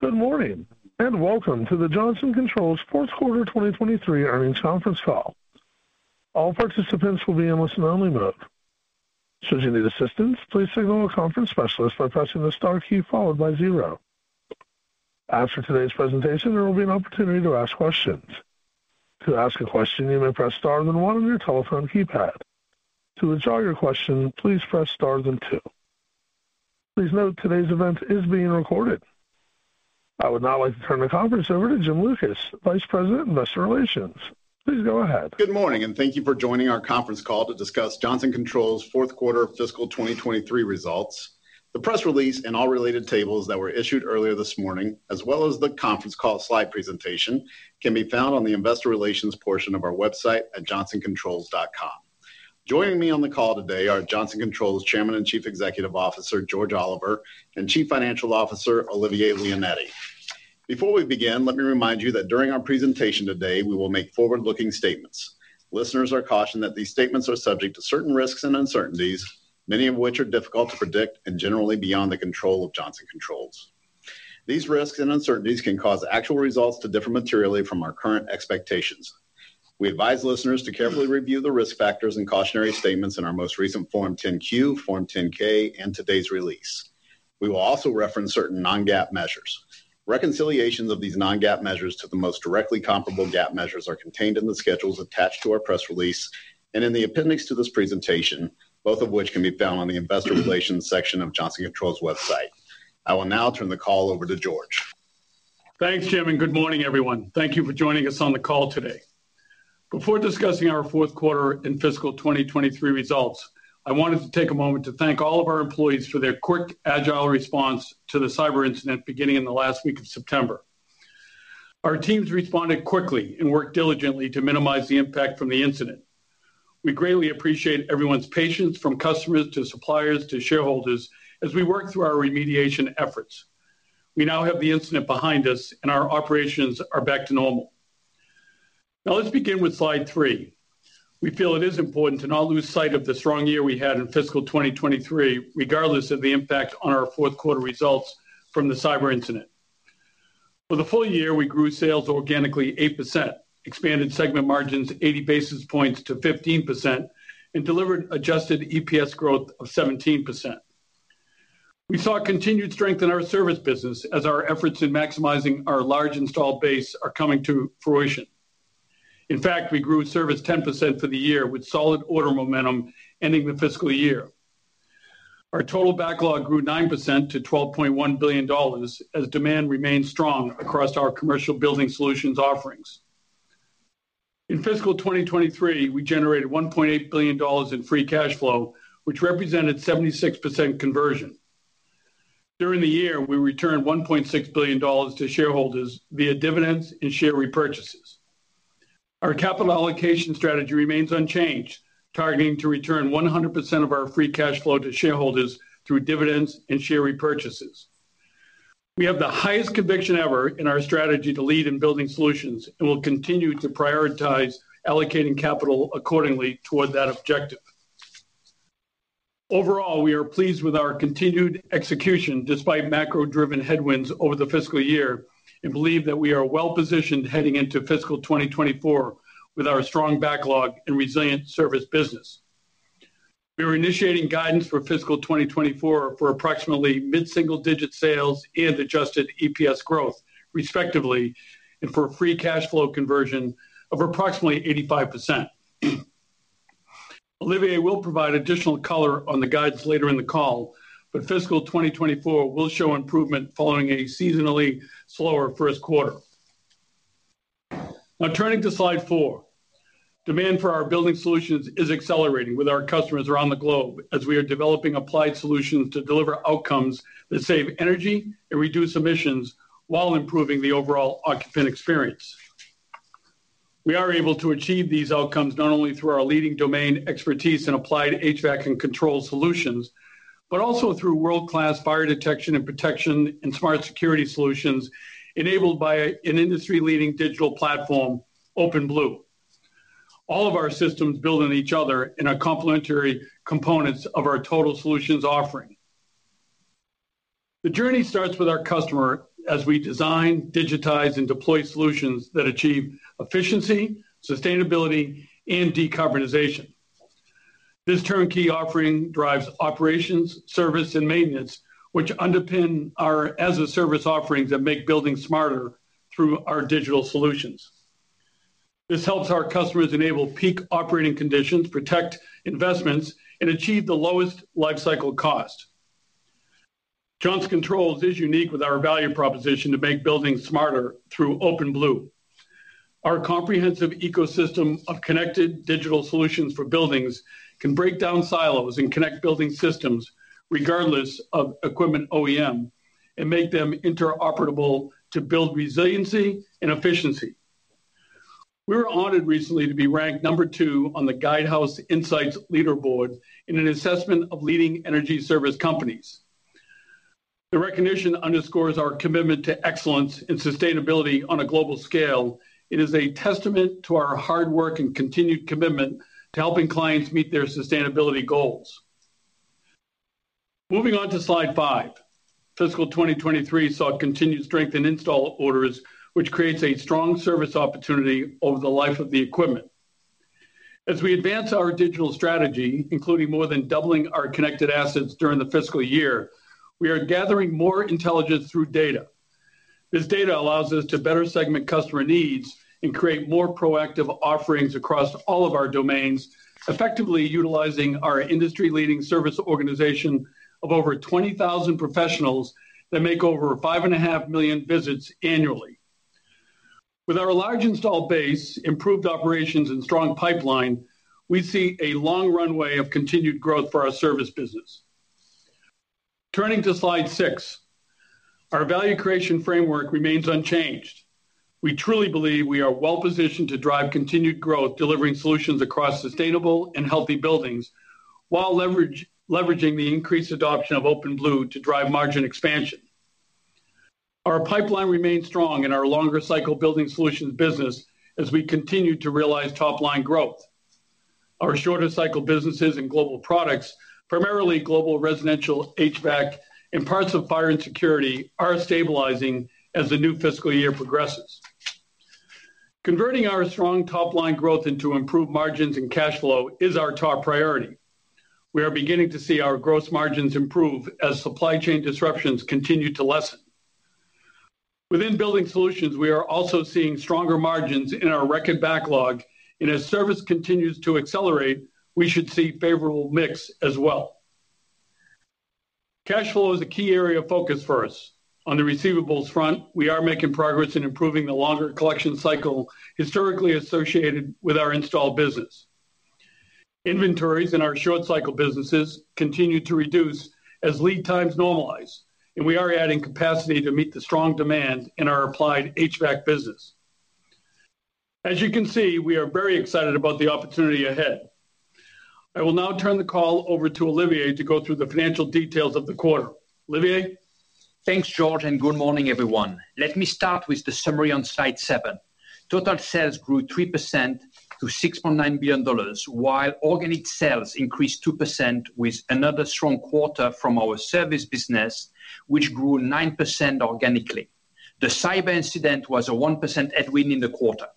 Good morning, and welcome to the Johnson Controls Fourth Quarter 2023 Earnings Conference Call. All participants will be in listen-only mode. Should you need assistance, please signal a conference specialist by pressing the star key followed by zero. After today's presentation, there will be an opportunity to ask questions. To ask a question, you may press star then one on your telephone keypad. To withdraw your question, please press star then two. Please note, today's event is being recorded. I would now like to turn the conference over to Jim Lucas, Vice President, Investor Relations. Please go ahead. Good morning, and thank you for joining our conference call to discuss Johnson Controls fourth quarter fiscal 2023 results. The press release and all related tables that were issued earlier this morning, as well as the conference call slide presentation, can be found on the investor relations portion of our website at johnsoncontrols.com. Joining me on the call today are Johnson Controls Chairman and Chief Executive Officer, George Oliver, and Chief Financial Officer, Olivier Leonetti. Before we begin, let me remind you that during our presentation today, we will make forward-looking statements. Listeners are cautioned that these statements are subject to certain risks and uncertainties, many of which are difficult to predict and generally beyond the control of Johnson Controls. These risks and uncertainties can cause actual results to differ materially from our current expectations. We advise listeners to carefully review the risk factors and cautionary statements in our most recent Form 10-Q, Form 10-K, and today's release. We will also reference certain non-GAAP measures. Reconciliations of these non-GAAP measures to the most directly comparable GAAP measures are contained in the schedules attached to our press release and in the appendix to this presentation, both of which can be found on the investor relations section of Johnson Controls' website. I will now turn the call over to George. Thanks, Jim, and good morning, everyone. Thank you for joining us on the call today. Before discussing our fourth quarter and fiscal 2023 results, I wanted to take a moment to thank all of our employees for their quick, agile response to the cyber incident beginning in the last week of September. Our teams responded quickly and worked diligently to minimize the impact from the incident. We greatly appreciate everyone's patience, from customers, to suppliers, to shareholders, as we work through our remediation efforts. We now have the incident behind us, and our operations are back to normal. Now, let's begin with slide 3. We feel it is important to not lose sight of the strong year we had in fiscal 2023, regardless of the impact on our fourth quarter results from the cyber incident. For the full year, we grew sales organically 8%, expanded segment margins 80 basis points to 15%, and delivered adjusted EPS growth of 17%. We saw continued strength in our service business as our efforts in maximizing our large installed base are coming to fruition. In fact, we grew service 10% for the year with solid order momentum ending the fiscal year. Our total backlog grew 9% to $12.1 billion, as demand remained strong across our commercial Building Solutions offerings. In fiscal 2023, we generated $1.8 billion in free cash flow, which represented 76% conversion. During the year, we returned $1.6 billion to shareholders via dividends and share repurchases. Our capital allocation strategy remains unchanged, targeting to return 100% of our free cash flow to shareholders through dividends and share repurchases. We have the highest conviction ever in our strategy to lead in Building Solutions, and we'll continue to prioritize allocating capital accordingly toward that objective. Overall, we are pleased with our continued execution, despite macro-driven headwinds over the fiscal year, and believe that we are well-positioned heading into fiscal 2024 with our strong backlog and resilient service business. We are initiating guidance for fiscal 2024 for approximately mid-single-digit sales and adjusted EPS growth, respectively, and for a free cash flow conversion of approximately 85%. Olivier will provide additional color on the guidance later in the call, but fiscal 2024 will show improvement following a seasonally slower first quarter. Now, turning to slide 4. Demand for our Building Solutions is accelerating with our customers around the globe as we are developing applied solutions to deliver outcomes that save energy and reduce emissions while improving the overall occupant experience. We are able to achieve these outcomes not only through our leading domain expertise in Applied HVAC and Control solutions, but also through world-class fire detection and protection and smart security solutions, enabled by an industry-leading digital platform, OpenBlue. All of our systems build on each other and are complementary components of our total solutions offering. The journey starts with our customer as we design, digitize, and deploy solutions that achieve efficiency, sustainability, and decarbonization. This turnkey offering drives operations, service, and maintenance, which underpin our as-a-service offerings that make building smarter through our digital solutions. This helps our customers enable peak operating conditions, protect investments, and achieve the lowest lifecycle cost. Johnson Controls is unique with our value proposition to make buildings smarter through OpenBlue. Our comprehensive ecosystem of connected digital solutions for buildings can break down silos and connect building systems regardless of equipment OEM, and make them interoperable to build resiliency and efficiency. We were honored recently to be ranked number two on the Guidehouse Insights Leaderboard in an assessment of leading energy service companies. The recognition underscores our commitment to excellence and sustainability on a global scale. It is a testament to our hard work and continued commitment to helping clients meet their sustainability goals. Moving on to slide 5. Fiscal 2023 saw continued strength in install orders, which creates a strong service opportunity over the life of the equipment. As we advance our digital strategy, including more than doubling our connected assets during the fiscal year, we are gathering more intelligence through data. This data allows us to better segment customer needs and create more proactive offerings across all of our domains, effectively utilizing our industry-leading service organization of over 20,000 professionals that make over 5.5 million visits annually. With our large installed base, improved operations, and strong pipeline, we see a long runway of continued growth for our service business. Turning to slide 6, our value creation framework remains unchanged. We truly believe we are well-positioned to drive continued growth, delivering solutions across sustainable and healthy buildings, while leveraging the increased adoption of OpenBlue to drive margin expansion. Our pipeline remains strong in our longer cycle Building Solutions business as we continue to realize top-line growth. Our shorter cycle businesses and Global Products, primarily Global Residential, HVAC, and parts of Fire and Security, are stabilizing as the new fiscal year progresses. Converting our strong top-line growth into improved margins and cash flow is our top priority. We are beginning to see our gross margins improve as supply chain disruptions continue to lessen. Within Building Solutions, we are also seeing stronger margins in our record backlog, and as service continues to accelerate, we should see favorable mix as well. Cash flow is a key area of focus for us. On the receivables front, we are making progress in improving the longer collection cycle historically associated with our install business. Inventories in our short cycle businesses continue to reduce as lead times normalize, and we are adding capacity to meet the strong demand in our Applied HVAC business. As you can see, we are very excited about the opportunity ahead. I will now turn the call over to Olivier to go through the financial details of the quarter. Olivier? Thanks, George, and good morning, everyone. Let me start with the summary on slide 7. Total sales grew 3% to $6.9 billion, while organic sales increased 2% with another strong quarter from our service business, which grew 9% organically. The cyber incident was a 1% headwind in the quarter.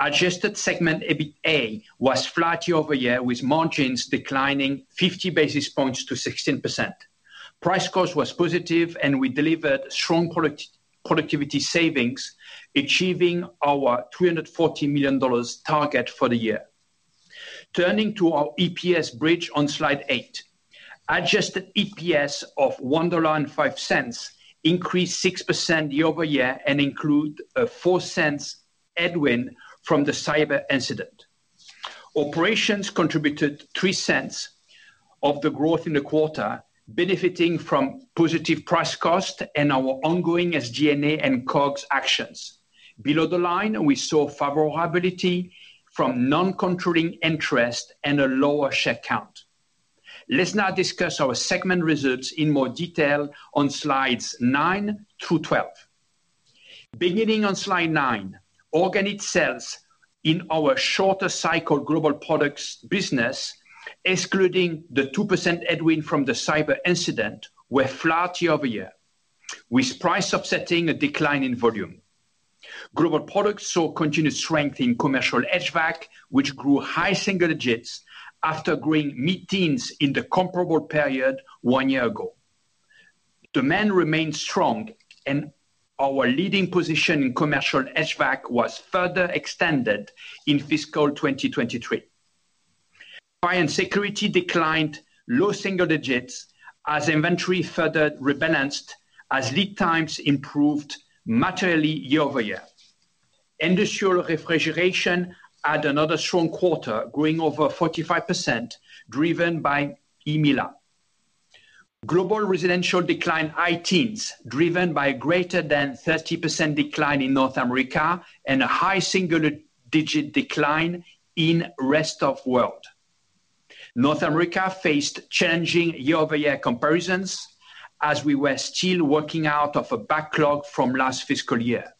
Adjusted segment EBITA was flat year-over-year, with margins declining 50 basis points to 16%. Price/Cost was positive, and we delivered strong product- productivity savings, achieving our $240 million target for the year. Turning to our EPS bridge on Slide 8, adjusted EPS of $1.05 increased 6% year-over-year and include a $0.04 headwind from the cyber incident. Operations contributed $0.03 of the growth in the quarter, benefiting from positive price/cost and our ongoing SG&A and COGS actions. Below the line, we saw favorability from non-controlling interest and a lower share count. Let's now discuss our segment results in more detail on slides 9 through 12. Beginning on slide 9, organic sales in our shorter cycle Global Products business, excluding the 2% headwind from the cyber incident, were flat year-over-year, with price offsetting a decline in volume. Global Products saw continued strength in commercial HVAC, which grew high single digits after growing mid-teens in the comparable period one year ago. Demand remained strong, and our leading position in commercial HVAC was further extended in fiscal 2023. Fire and Security declined low single digits as inventory further rebalanced, as lead times improved materially year-over-year. Industrial Refrigeration had another strong quarter, growing over 45%, driven by EMEA/LA. Global Residential declined high teens, driven by a greater than 30% decline in North America and a high single-digit decline in rest of world. North America faced challenging year-over-year comparisons as we were still working out of a backlog from last fiscal year.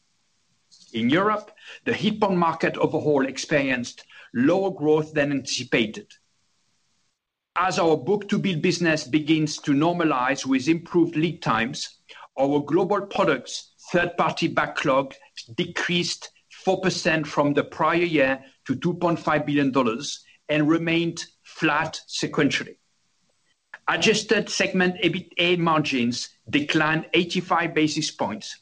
In Europe, the heat pump market overall experienced lower growth than anticipated. As our book-to-bill business begins to normalize with improved lead times, our Global Products third-party backlog decreased 4% from the prior year to $2.5 billion and remained flat sequentially. Adjusted segment EBITA margins declined 85 basis points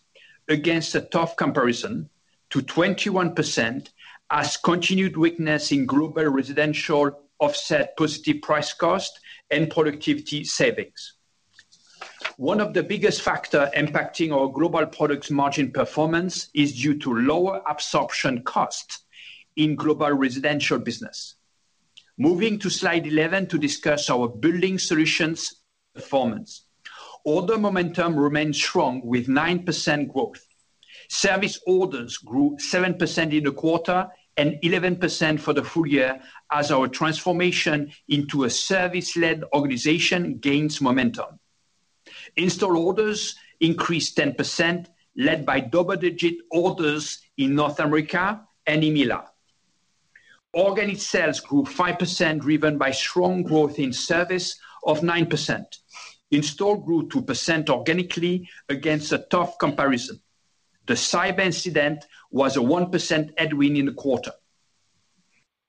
against a tough comparison to 21%, as continued weakness in Global Residential offset positive price/cost and productivity savings. One of the biggest factor impacting our Global Products margin performance is due to lower absorption costs in Global Residential business. Moving to Slide 11 to discuss our Building Solutions performance. Order momentum remains strong with 9% growth. Service orders grew 7% in the quarter and 11% for the full year as our transformation into a service-led organization gains momentum. Install orders increased 10%, led by double-digit orders in North America and EMEIA. Organic sales grew 5%, driven by strong growth in service of 9%. Install grew 2% organically against a tough comparison. The cyber incident was a 1% headwind in the quarter.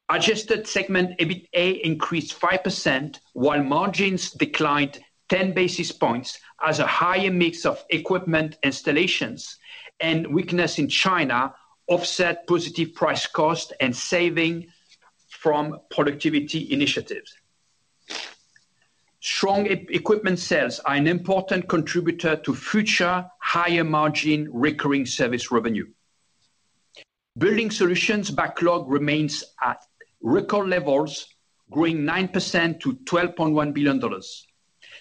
Adjusted Segment EBITA increased 5%, while margins declined 10 basis points as a higher mix of equipment installations and weakness in China offset positive price/cost and savings from productivity initiatives. Strong equipment sales are an important contributor to future higher-margin recurring service revenue. Building Solutions backlog remains at record levels, growing 9% to $12.1 billion.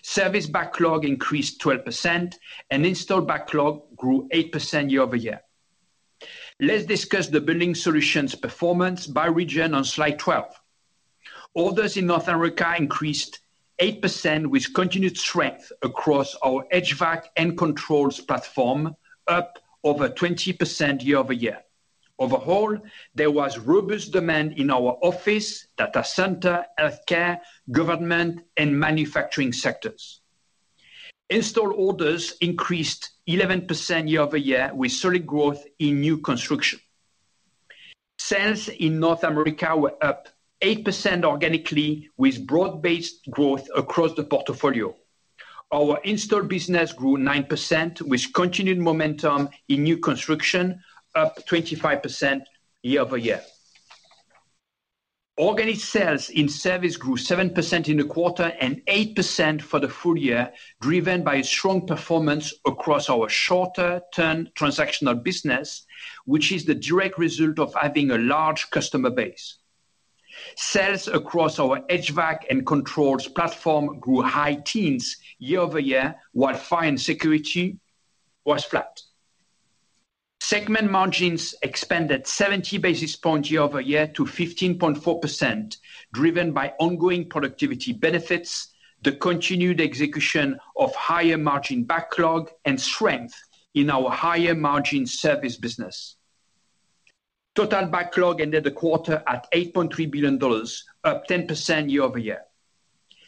Service backlog increased 12%, and installed backlog grew 8% year-over-year. Let's discuss the Building Solutions performance by region on slide 12. Orders in North America increased 8%, with continued strength across our HVAC and Controls platform, up over 20% year-over-year. Overall, there was robust demand in our office, data center, healthcare, government, and manufacturing sectors. Install orders increased 11% year-over-year, with solid growth in new construction. Sales in North America were up 8% organically, with broad-based growth across the portfolio. Our install business grew 9%, with continued momentum in new construction, up 25% year-over-year. Organic sales in service grew 7% in the quarter and 8% for the full year, driven by strong performance across our shorter-term transactional business, which is the direct result of having a large customer base. Sales across our HVAC and Controls platform grew high teens year-over-year, while Fire and Security was flat. Segment margins expanded 70 basis points year-over-year to 15.4%, driven by ongoing productivity benefits, the continued execution of higher-margin backlog, and strength in our higher-margin service business. Total backlog ended the quarter at $8.3 billion, up 10% year-over-year.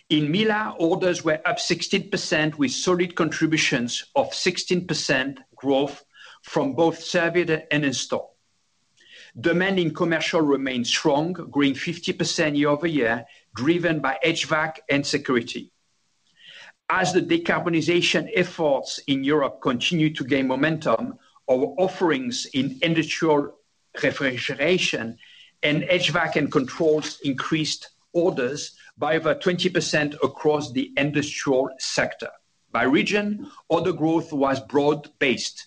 In EMEA/LA orders were up 16%, with solid contributions of 16% growth from both service and install. Demand in commercial remained strong, growing 50% year-over-year, driven by HVAC and security. As the decarbonization efforts in Europe continue to gain momentum, our offerings in industrial refrigeration and HVAC and Controls increased orders by over 20% across the industrial sector. By region, order growth was broad-based.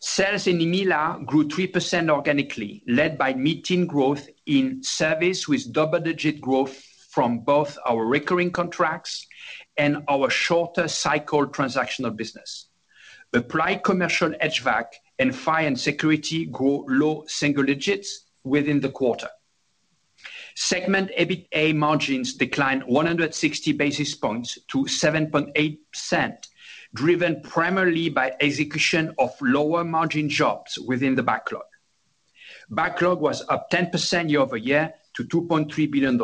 Sales in EMEA/LA grew 3% organically, led by mid-teen growth in service, with double-digit growth from both our recurring contracts and our shorter cycle transactional business. Applied commercial HVAC and Fire and Security grew low single digits within the quarter. Segment EBITA margins declined 160 basis points to 7.8%, driven primarily by execution of lower-margin jobs within the backlog. Backlog was up 10% year-over-year to $2.3 billion.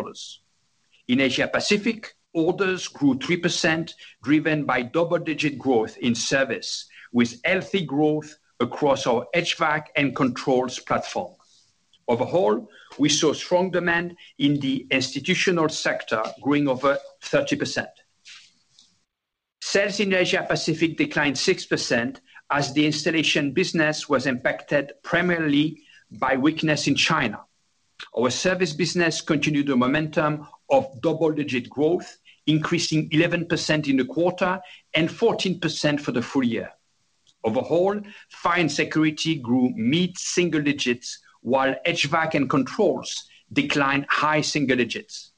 In Asia Pacific, orders grew 3%, driven by double-digit growth in service, with healthy growth across our HVAC and Controls platform. Overall, we saw strong demand in the institutional sector, growing over 30%. Sales in Asia Pacific declined 6%, as the installation business was impacted primarily by weakness in China. Our service business continued the momentum of double-digit growth, increasing 11% in the quarter and 14% for the full year. Overall, Fire and Security grew mid-single digits, while HVAC and Controls declined high single digits.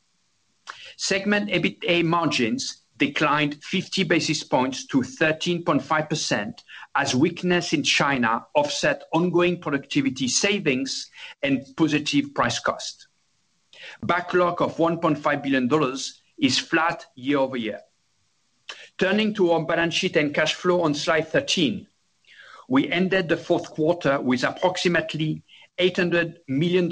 Segment EBITA margins declined 50 basis points to 13.5%, as weakness in China offset ongoing productivity savings and positive price/cost. Backlog of $1.5 billion is flat year-over-year. Turning to our balance sheet and cash flow on slide 13. We ended the fourth quarter with approximately $800 million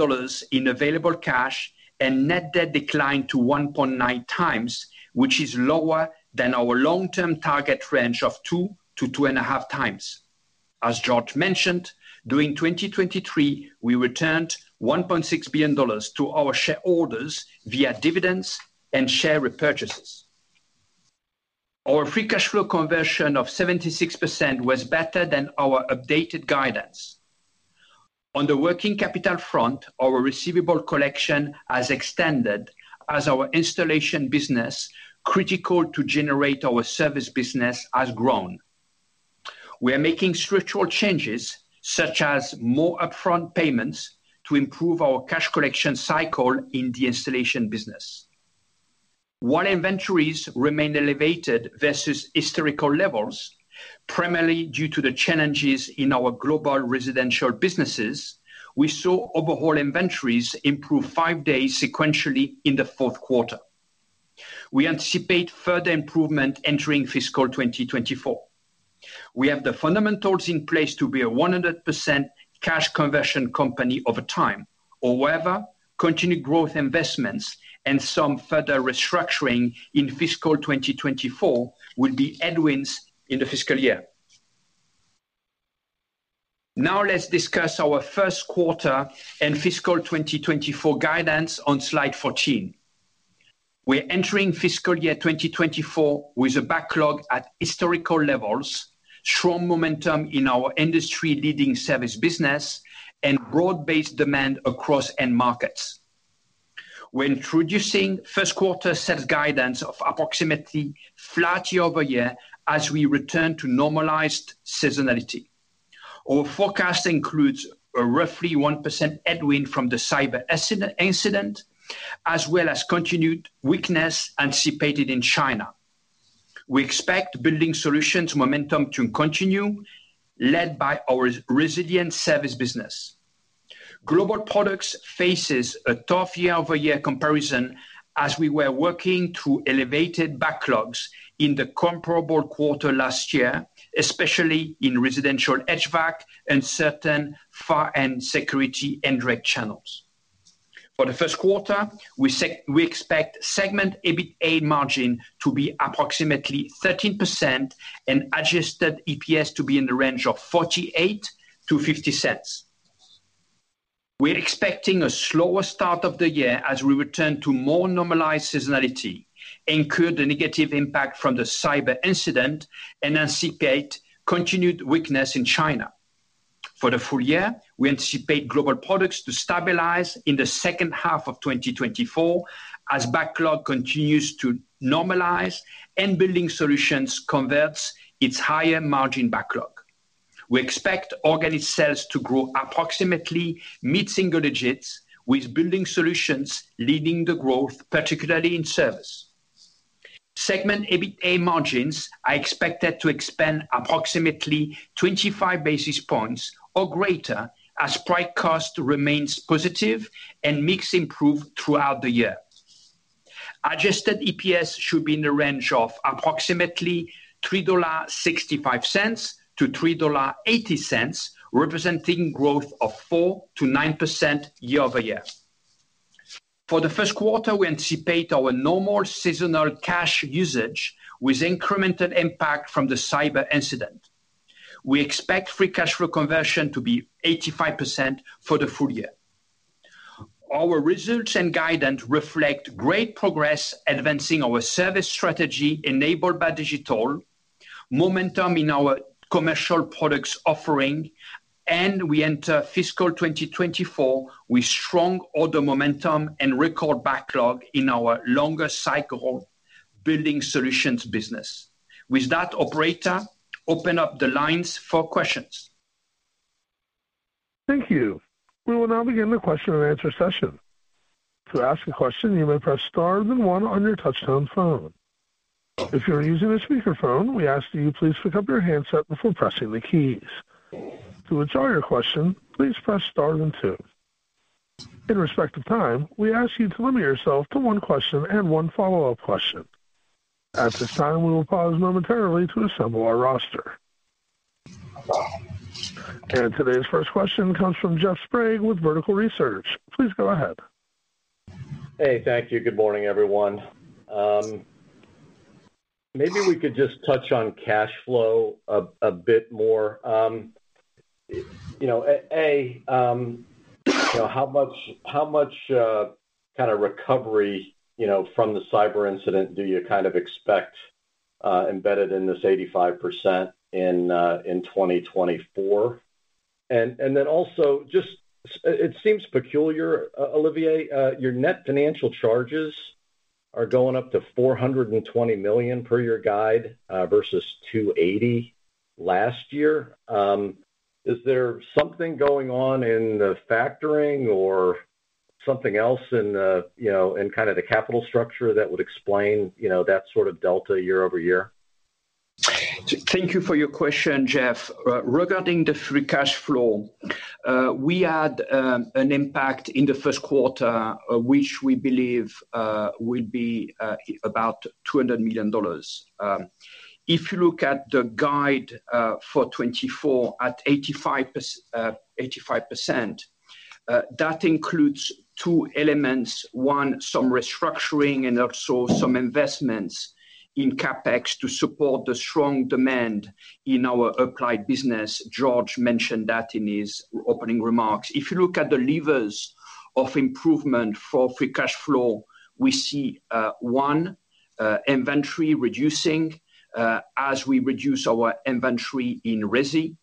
in available cash, and net debt declined to 1.9x, which is lower than our long-term target range of 2x-2.5x. As George mentioned, during 2023, we returned $1.6 billion to our shareholders via dividends and share repurchases. Our free cash flow conversion of 76% was better than our updated guidance. On the working capital front, our receivable collection has extended as our installation business, critical to generate our service business, has grown. We are making structural changes, such as more upfront payments, to improve our cash collection cycle in the installation business. While inventories remain elevated versus historical levels, primarily due to the challenges in our Global Residential businesses, we saw overall inventories improve five days sequentially in the fourth quarter. We anticipate further improvement entering fiscal 2024. We have the fundamentals in place to be a 100% cash conversion company over time. However, continued growth investments and some further restructuring in fiscal 2024 will be headwinds in the fiscal year. Now, let's discuss our first quarter and fiscal 2024 guidance on slide 14. We're entering fiscal year 2024 with a backlog at historical levels, strong momentum in our industry-leading service business, and broad-based demand across end markets. We're introducing first quarter sales guidance of approximately flat year-over-year as we return to normalized seasonality. Our forecast includes a roughly 1% headwind from the cyber incident, as well as continued weakness anticipated in China. We expect Building Solutions momentum to continue, led by our resilient service business. Global Products faces a tough year-over-year comparison as we were working through elevated backlogs in the comparable quarter last year, especially in residential HVAC and certain Fire and Security indirect channels. For the first quarter, we expect segment EBITA margin to be approximately 13% and adjusted EPS to be in the range of $0.48-$0.50. We're expecting a slower start of the year as we return to more normalized seasonality and incur the negative impact from the cyber incident and anticipate continued weakness in China. For the full year, we anticipate Global Products to stabilize in the second half of 2024 as backlog continues to normalize and Building Solutions converts its higher margin backlog. We expect organic sales to grow approximately mid-single digits, with Building Solutions leading the growth, particularly in service. Segment EBITA margins are expected to expand approximately 25 basis points or greater, as price/cost remains positive and mix improve throughout the year. Adjusted EPS should be in the range of approximately $3.65-$3.80, representing growth of 4%-9% year-over-year. For the first quarter, we anticipate our normal seasonal cash usage with incremental impact from the cyber incident. We expect free cash flow conversion to be 85% for the full year. Our results and guidance reflect great progress advancing our service strategy enabled by digital, momentum in our commercial products offering, and we enter fiscal 2024 with strong order momentum and record backlog in our longer cycle Building Solutions business. With that, operator, open up the lines for questions. Thank you. We will now begin the question and answer session. To ask a question, you may press star then one on your touchtone phone. If you're using a speakerphone, we ask that you please pick up your handset before pressing the keys. To withdraw your question, please press star then two. In respect of time, we ask you to limit yourself to one question and one follow-up question. At this time, we will pause momentarily to assemble our roster. Today's first question comes from Jeff Sprague with Vertical Research. Please go ahead. Hey, thank you. Good morning, everyone. Maybe we could just touch on cash flow a bit more. You know, you know, how much kind of recovery, you know, from the cyber incident do you kind of expect embedded in this 85% in 2024? And then also just it seems peculiar, Olivier, your net financial charges are going up to $420 million per your guide versus $280 million last year. Is there something going on in the factoring or something else in, you know, in kind of the capital structure that would explain, you know, that sort of delta year-over-year? Thank you for your question, Jeff. Regarding the free cash flow, we had an impact in the first quarter, which we believe will be about $200 million. If you look at the guide for 2024 at 85%, that includes two elements: one, some restructuring and also some investments in CapEx to support the strong demand in our Applied business. George mentioned that in his opening remarks. If you look at the levers of improvement for free cash flow, we see one, inventory reducing as we reduce our inventory in resi.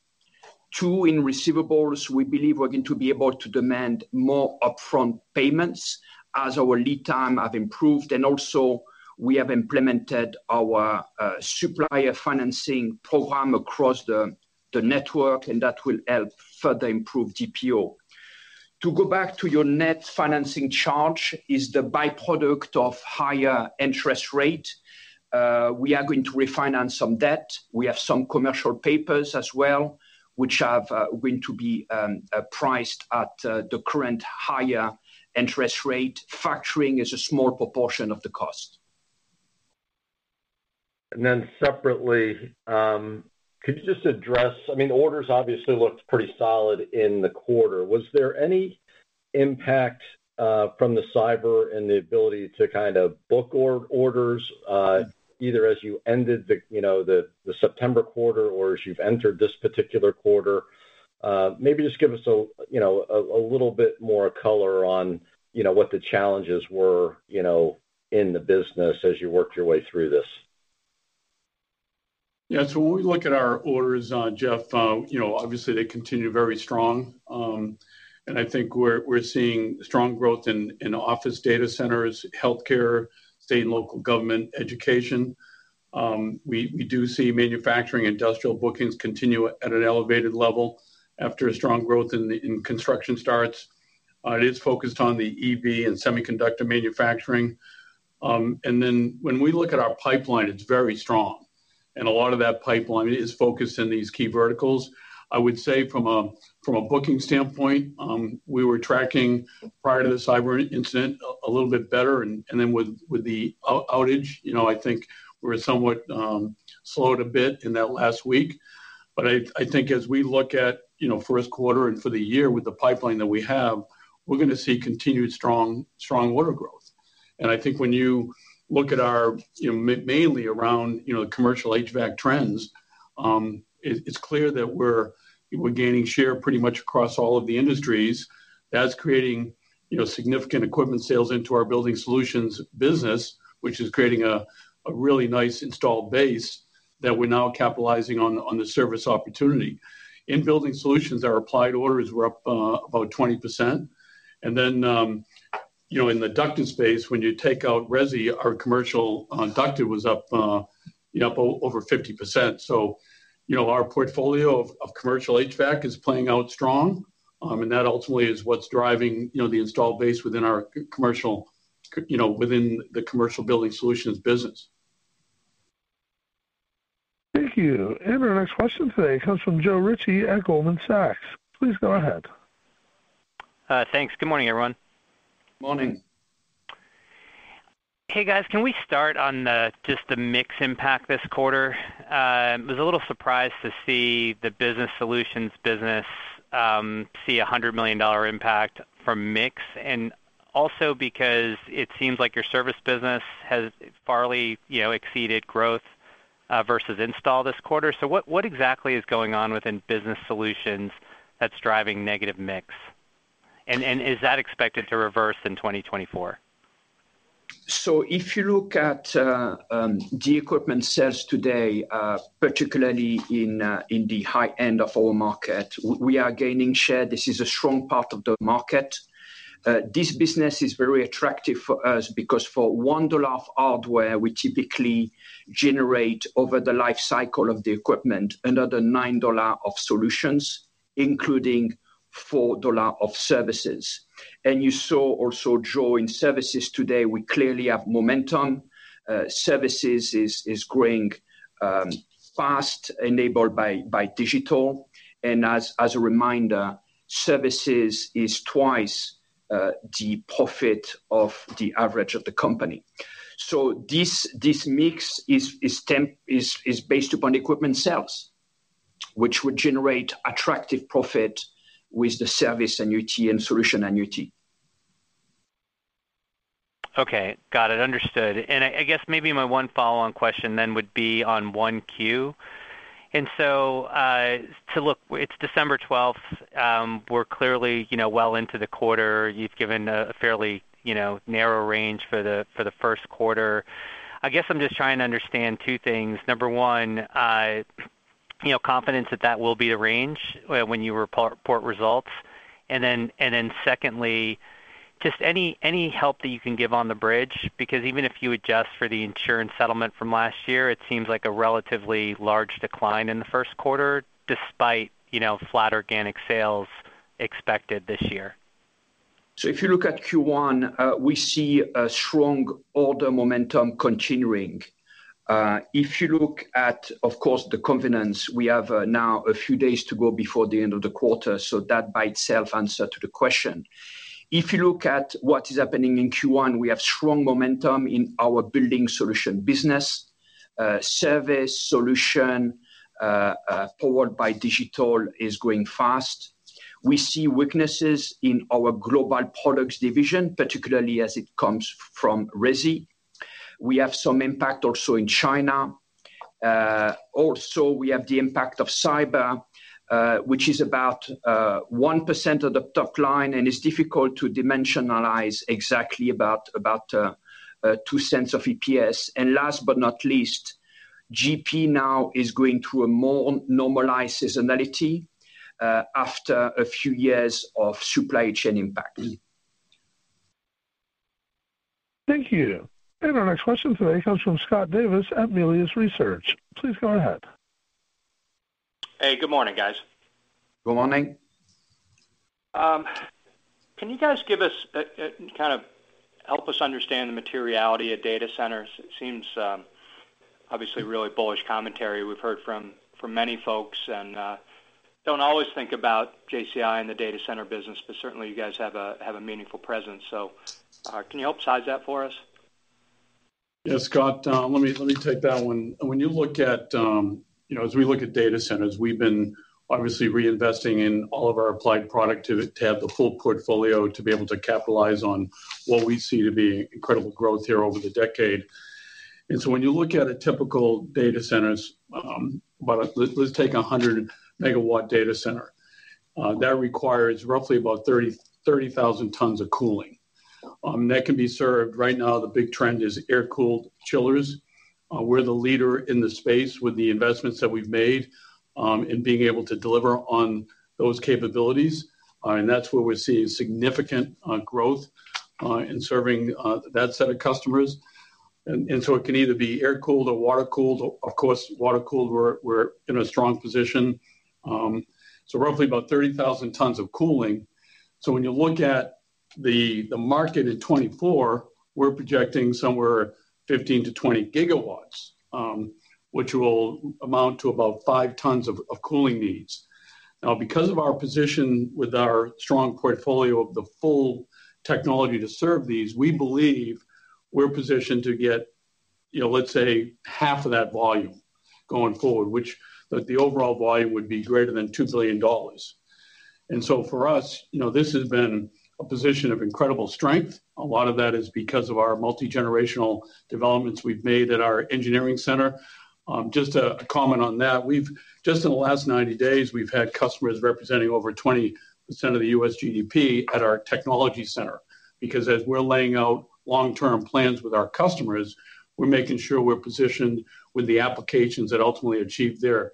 Two, in receivables, we believe we're going to be able to demand more upfront payments as our lead time have improved, and also we have implemented our supplier financing program across the network, and that will help further improve DPO. To go back to your net financing charge, is the byproduct of higher interest rate. We are going to refinance some debt. We have some commercial paper as well, which are going to be priced at the current higher interest rate. Factoring is a small proportion of the cost. ...And then separately, could you just address, I mean, orders obviously looked pretty solid in the quarter. Was there any impact from the cyber and the ability to kind of book orders, either as you ended the, you know, the September quarter or as you've entered this particular quarter? Maybe just give us a, you know, little bit more color on, you know, what the challenges were, you know, in the business as you worked your way through this. Yeah. So when we look at our orders, Jeff, you know, obviously they continue very strong. And I think we're seeing strong growth in office data centers, healthcare, state and local government, education. We do see manufacturing industrial bookings continue at an elevated level after a strong growth in the construction starts. It is focused on the EV and semiconductor manufacturing. And then when we look at our pipeline, it's very strong, and a lot of that pipeline is focused in these key verticals. I would say from a booking standpoint, we were tracking prior to the cyber incident a little bit better. And then with the outage, you know, I think we're somewhat slowed a bit in that last week. But I think as we look at, you know, first quarter and for the year with the pipeline that we have, we're gonna see continued strong, strong order growth. And I think when you look at our, you know, mainly around, you know, the commercial HVAC trends, it's clear that we're gaining share pretty much across all of the industries. That's creating, you know, significant equipment sales into our Building Solutions business, which is creating a really nice installed base that we're now capitalizing on, on the service opportunity. In Building Solutions, our Applied orders were up about 20%. And then, you know, in the ducting space, when you take out resi, our commercial ducted was up, you know, up over 50%. You know, our portfolio of commercial HVAC is playing out strong, and that ultimately is what's driving, you know, the installed base within our commercial, you know, within the commercial Building Solutions business. Thank you. Our next question today comes from Joe Ritchie at Goldman Sachs. Please go ahead. Thanks. Good morning, everyone. Morning. Hey, guys, can we start on just the mix impact this quarter? Was a little surprised to see the Building Solutions business see a $100 million impact from mix, and also because it seems like your service business has fairly, you know, exceeded growth versus install this quarter. So what exactly is going on within Building Solutions that's driving negative mix? And is that expected to reverse in 2024? So if you look at the equipment sales today, particularly in the high end of our market, we are gaining share. This is a strong part of the market. This business is very attractive for us because for $1 of hardware, we typically generate over the life cycle of the equipment, another $9 of solutions, including $4 of services. And you saw also, Joe, in services today, we clearly have momentum. Services is growing fast, enabled by digital. And as a reminder, services is twice the profit of the average of the company. So this mix is based upon equipment sales, which would generate attractive profit with the service annuity and solution annuity. Okay. Got it. Understood. And I guess maybe my one follow-on question then would be on 1Q. And so, it's December 12th, we're clearly, you know, well into the quarter. You've given a fairly, you know, narrow range for the first quarter. I guess I'm just trying to understand two things. Number 1, you know, confidence that that will be the range when you report results. And then secondly, just any help that you can give on the bridge, because even if you adjust for the insurance settlement from last year, it seems like a relatively large decline in the first quarter, despite, you know, flat organic sales expected this year. So if you look at Q1, we see a strong order momentum continuing. If you look at, of course, the confidence, we have now a few days to go before the end of the quarter, so that by itself answer to the question. If you look at what is happening in Q1, we have strong momentum in our Building Solutions business. Service solution, powered by digital, is growing fast. We see weaknesses in our Global Products division, particularly as it comes from resi. We have some impact also in China. Also, we have the impact of cyber, which is about 1% of the top line, and it's difficult to dimensionalize exactly about about $0.02 of EPS. Last but not least, GP now is going through a more normalized seasonality, after a few years of supply chain impact. Thank you. Our next question today comes from Scott Davis at Melius Research. Please go ahead. Hey, good morning, guys. Good morning. Can you guys give us kind of help us understand the materiality of data centers? It seems obviously really bullish commentary we've heard from many folks, and don't always think about JCI and the data center business, but certainly you guys have a meaningful presence. So, can you help size that for us? Yes, Scott, let me take that one. When you look at, you know, as we look at data centers, we've been obviously reinvesting in all of our applied product to have the full portfolio to be able to capitalize on what we see to be incredible growth here over the decade. And so when you look at a typical data centers, well, let's take a 100-megawatt data center. That requires roughly about 30,000 tons of cooling. That can be served. Right now, the big trend is air-cooled chillers. We're the leader in the space with the investments that we've made in being able to deliver on those capabilities. And that's where we're seeing significant growth in serving that set of customers. And so it can either be air-cooled or water-cooled. Of course, water-cooled, we're in a strong position. So roughly about 30,000 tons of cooling. So when you look at the market in 2024, we're projecting somewhere 15 GW -20 GW, which will amount to about five tons of cooling needs. Now, because of our position with our strong portfolio of the full technology to serve these, we believe we're positioned to get, you know, let's say, half of that volume going forward, which the overall volume would be greater than $2 billion. And so for us, you know, this has been a position of incredible strength. A lot of that is because of our multigenerational developments we've made at our engineering center. Just to comment on that, we've just in the last 90 days, we've had customers representing over 20% of the U.S. GDP at our technology center. Because as we're laying out long-term plans with our customers, we're making sure we're positioned with the applications that ultimately achieve their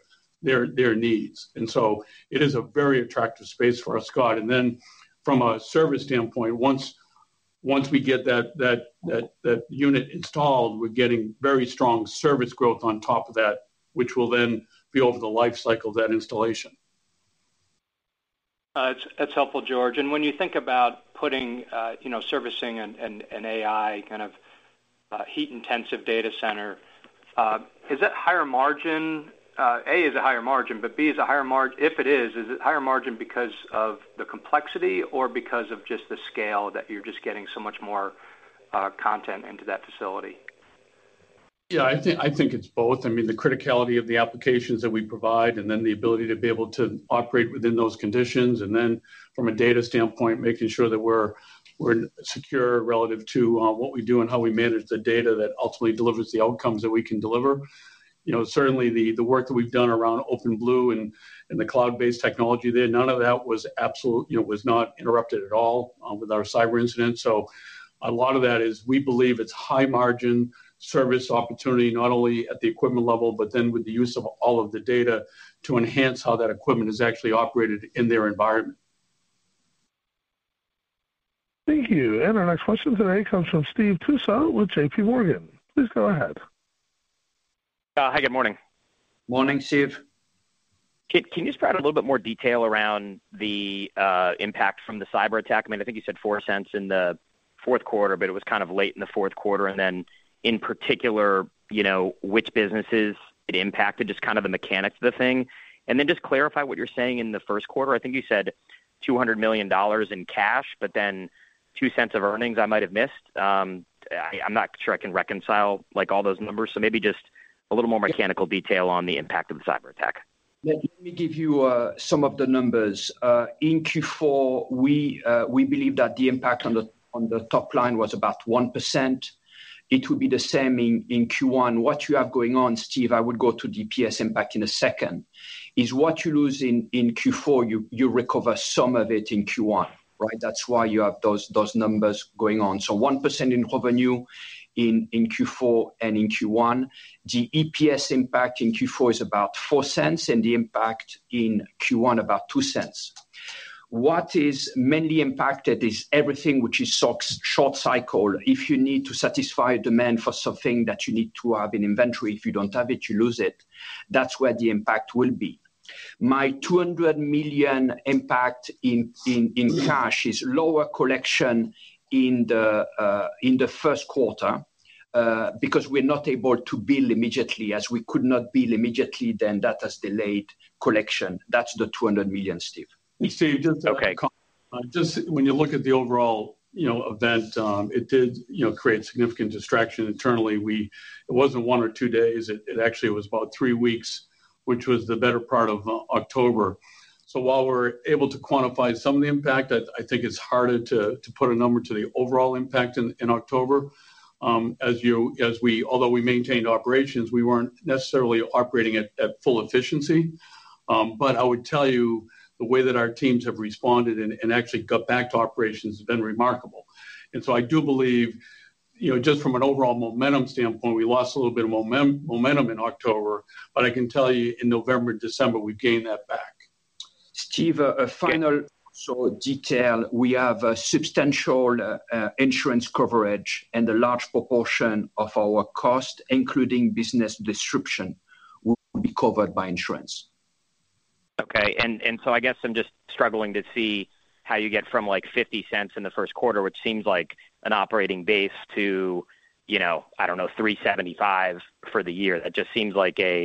needs. And so it is a very attractive space for us, Scott. And then from a service standpoint, once we get that unit installed, we're getting very strong service growth on top of that, which will then be over the life cycle of that installation. That's helpful, George. And when you think about putting, you know, servicing and AI kind of heat-intensive data center, is that higher margin? A, is a higher margin, but B, if it is, is it higher margin because of the complexity or because of just the scale, that you're just getting so much more content into that facility? Yeah, I think, I think it's both. I mean, the criticality of the applications that we provide, and then the ability to be able to operate within those conditions. And then from a data standpoint, making sure that we're, we're secure relative to what we do and how we manage the data that ultimately delivers the outcomes that we can deliver. You know, certainly the work that we've done around OpenBlue and the cloud-based technology there, none of that was absolute—you know, was not interrupted at all with our cyber incident. So a lot of that is we believe it's high margin service opportunity, not only at the equipment level, but then with the use of all of the data to enhance how that equipment is actually operated in their environment. Thank you. And our next question today comes from Steve Tusa with JPMorgan. Please go ahead. Hi, good morning. Morning, Steve. Can you just provide a little bit more detail around the impact from the cyberattack? I mean, I think you said $0.04 in the fourth quarter, but it was kind of late in the fourth quarter. And then in particular, you know, which businesses it impacted, just kind of the mechanics of the thing. And then just clarify what you're saying in the first quarter. I think you said $200 million in cash, but then $0.02 of earnings, I might have missed. I'm not sure I can reconcile, like, all those numbers, so maybe just a little more- Yep... mechanical detail on the impact of the cyberattack. Yeah. Let me give you some of the numbers. In Q4, we believe that the impact on the, on the top line was about 1%. It would be the same in Q1. What you have going on, Steve, I would go to the EPS impact in a second, is what you lose in Q4, you recover some of it in Q1, right? That's why you have those numbers going on. So 1% in revenue in Q4 and in Q1. The EPS impact in Q4 is about $0.04, and the impact in Q1, about $0.02. What is mainly impacted is everything which is stock short cycle. If you need to satisfy demand for something that you need to have in inventory, if you don't have it, you lose it. That's where the impact will be. My $200 million impact in cash is lower collection in the first quarter because we're not able to bill immediately. As we could not bill immediately, then that has delayed collection. That's the $200 million, Steve. Steve, just- Okay. Just when you look at the overall, you know, event, it did, you know, create significant distraction internally. It wasn't one or two days, it actually was about three weeks, which was the better part of October. So while we're able to quantify some of the impact, I think it's harder to put a number to the overall impact in October. Although we maintained operations, we weren't necessarily operating at full efficiency. But I would tell you, the way that our teams have responded and actually got back to operations has been remarkable. So I do believe, you know, just from an overall momentum standpoint, we lost a little bit of momentum in October, but I can tell you, in November, December, we gained that back. Steve, a final- Yeah... so detail. We have a substantial insurance coverage, and a large proportion of our cost, including business disruption, will be covered by insurance. Okay. And so I guess I'm just struggling to see how you get from, like, $0.50 in the first quarter, which seems like an operating base to, you know, I don't know, $3.75 for the year. That just seems like a......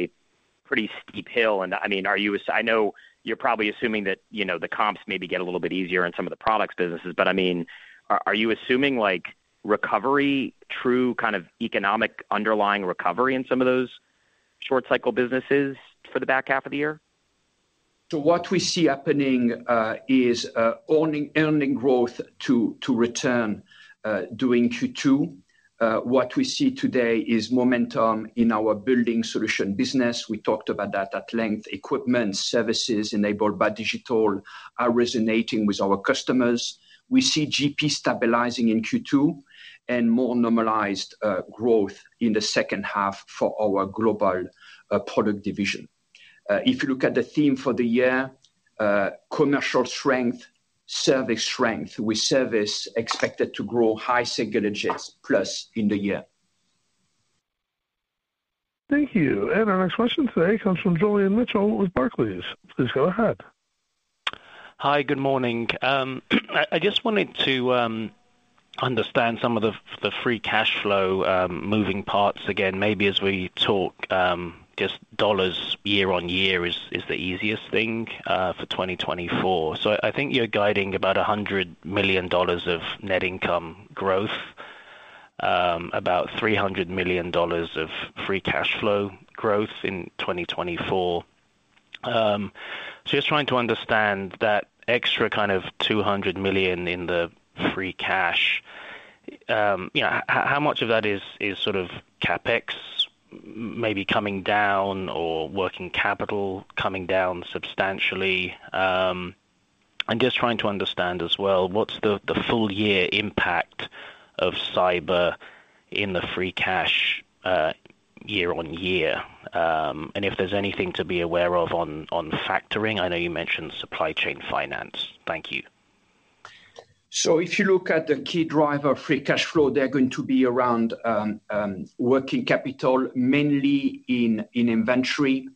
pretty steep hill. And, I mean, are you, I know you're probably assuming that, you know, the comps maybe get a little bit easier in some of the products businesses. But, I mean, are, are you assuming, like, recovery, true kind of economic underlying recovery in some of those short cycle businesses for the back half of the year? So what we see happening is earning growth to return during Q2. What we see today is momentum in our Building Solutions business. We talked about that at length. Equipment, services enabled by digital are resonating with our customers. We see GP stabilizing in Q2 and more normalized growth in the second half for our global product division. If you look at the theme for the year, commercial strength, service strength, with service expected to grow high single digits plus in the year. Thank you. Our next question today comes from Julian Mitchell with Barclays. Please go ahead. Hi, good morning. I just wanted to understand some of the free cash flow moving parts again. Maybe as we talk, just dollars year on year is the easiest thing for 2024. So I think you're guiding about $100 million of net income growth, about $300 million of free cash flow growth in 2024. So just trying to understand that extra kind of $200 million in the free cash. You know, how much of that is sort of CapEx maybe coming down or working capital coming down substantially? I'm just trying to understand as well, what's the full year impact of cyber in the free cash year on year? If there's anything to be aware of on factoring, I know you mentioned supply chain finance. Thank you. So if you look at the key driver free cash flow, they're going to be around working capital, mainly in inventory.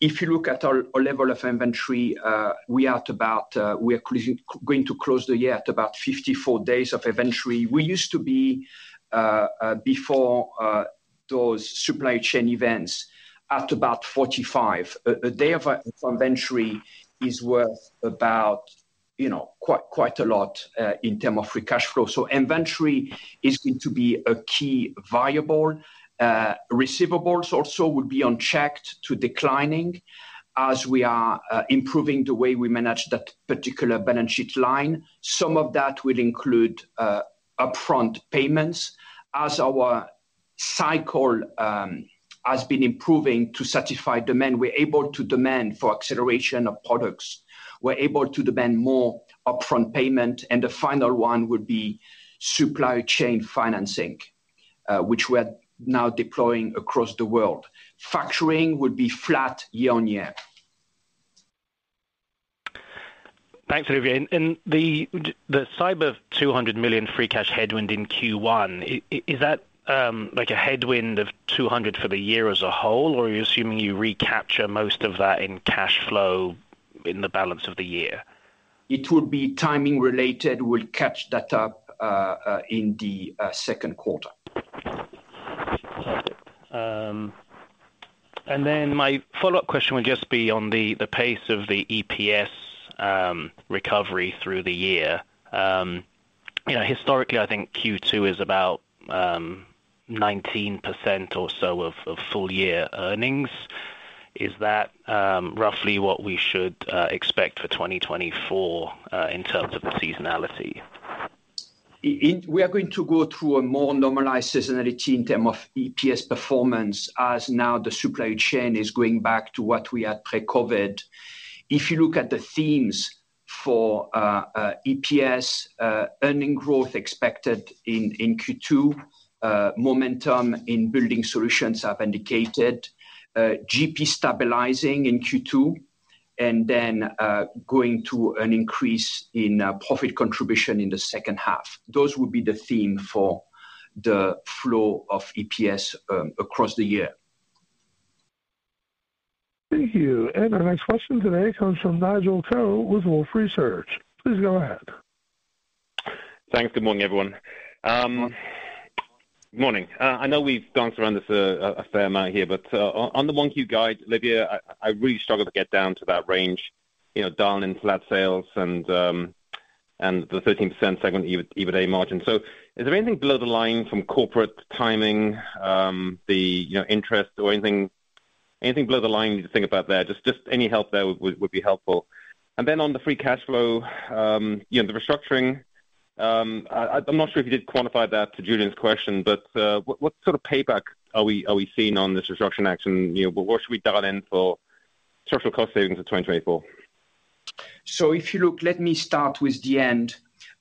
If you look at our level of inventory, we are going to close the year at about 54 days of inventory. We used to be before those supply chain events, at about 45 days. A day of inventory is worth about, you know, quite a lot in term of free cash flow. So inventory is going to be a key variable. Receivables also will be on track to declining as we are improving the way we manage that particular balance sheet line. Some of that will include upfront payments. As our cycle has been improving to satisfy demand, we're able to demand for acceleration of products. We're able to demand more upfront payment, and the final one would be supply chain financing, which we're now deploying across the world. Factoring would be flat year-over-year. Thanks, Olivier. And the cyber $200 million free cash headwind in Q1, is that, like a headwind of $200 million for the year as a whole, or are you assuming you recapture most of that in cash flow in the balance of the year? It would be timing related. We'll catch that up in the second quarter. Perfect. And then my follow-up question would just be on the pace of the EPS recovery through the year. You know, historically, I think Q2 is about 19% or so of full year earnings. Is that roughly what we should expect for 2024 in terms of the seasonality? We are going to go through a more normalized seasonality in terms of EPS performance, as now the supply chain is going back to what we had pre-COVID. If you look at the themes for EPS, earnings growth expected in Q2, momentum in Building Solutions I've indicated, GP stabilizing in Q2, and then going to an increase in profit contribution in the second half. Those would be the theme for the flow of EPS across the year. Thank you. Our next question today comes from Nigel Coe with Wolfe Research. Please go ahead. Thanks. Good morning, everyone. Good morning. I know we've danced around this a fair amount here, but on the 1Q guide, Olivier, I really struggle to get down to that range, you know, down in flat sales and the 13% segment EBITA margin. So is there anything below the line from corporate timing, you know, interest or anything, anything below the line you need to think about there? Just any help there would be helpful. And then on the free cash flow, you know, the restructuring, I'm not sure if you did quantify that to Julian's question, but what sort of payback are we seeing on this restructuring action? You know, but what should we dial in for structural cost savings for 2024? So if you look, let me start with the end.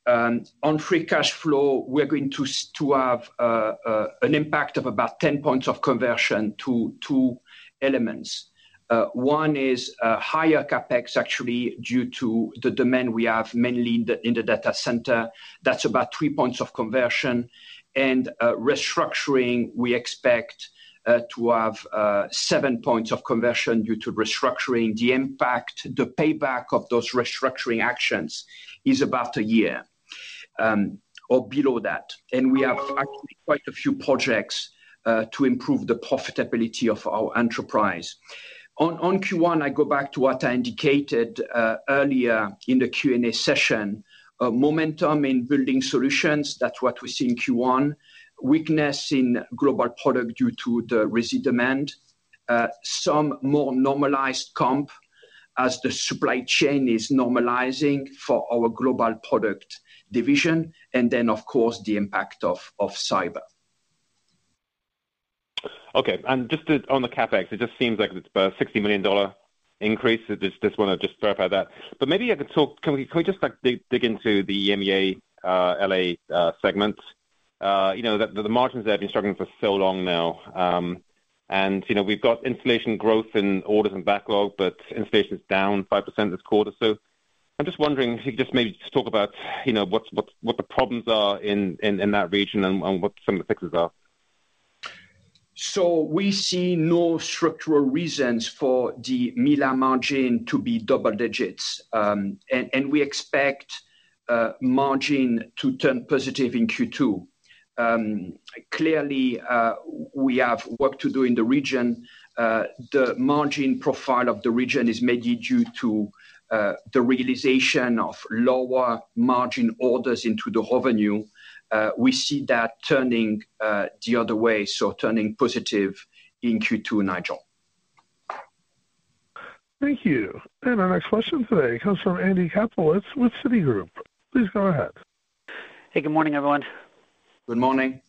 On free cash flow, we're going to have an impact of about 10 points of conversion to two elements. One is higher CapEx, actually, due to the demand we have, mainly in the data center. That's about three points of conversion. And restructuring, we expect to have seven points of conversion due to restructuring. The impact, the payback of those restructuring actions is about a year or below that. And we have actually quite a few projects to improve the profitability of our enterprise. On Q1, I go back to what I indicated earlier in the Q&A session. Momentum in Building Solutions, that's what we see in Q1. Weakness in Global Products due to the resi demand. some more normalized comp as the supply chain is normalizing for our Global Products division, and then of course, the impact of cyber. Okay. And just to, on the CapEx, it just seems like it's about a $60 million increase. I just wanna clarify that. But maybe you could talk—can we just like dig into the EMEA/LA segment? You know, the margins there have been struggling for so long now. And, you know, we've got installation growth in orders and backlog, but installation is down 5% this quarter. So I'm just wondering if you could just maybe just talk about, you know, what the problems are in that region and what some of the fixes are. So we see no structural reasons for the EMEA/LA margin to be double digits. And we expect margin to turn positive in Q2. Clearly, we have work to do in the region. The margin profile of the region is mainly due to the realization of lower margin orders into the revenue. We see that turning the other way, so turning positive in Q2, Nigel. Thank you. And our next question today comes from Andy Kaplowitz with Citigroup. Please go ahead. Hey, good morning, everyone. Good morning.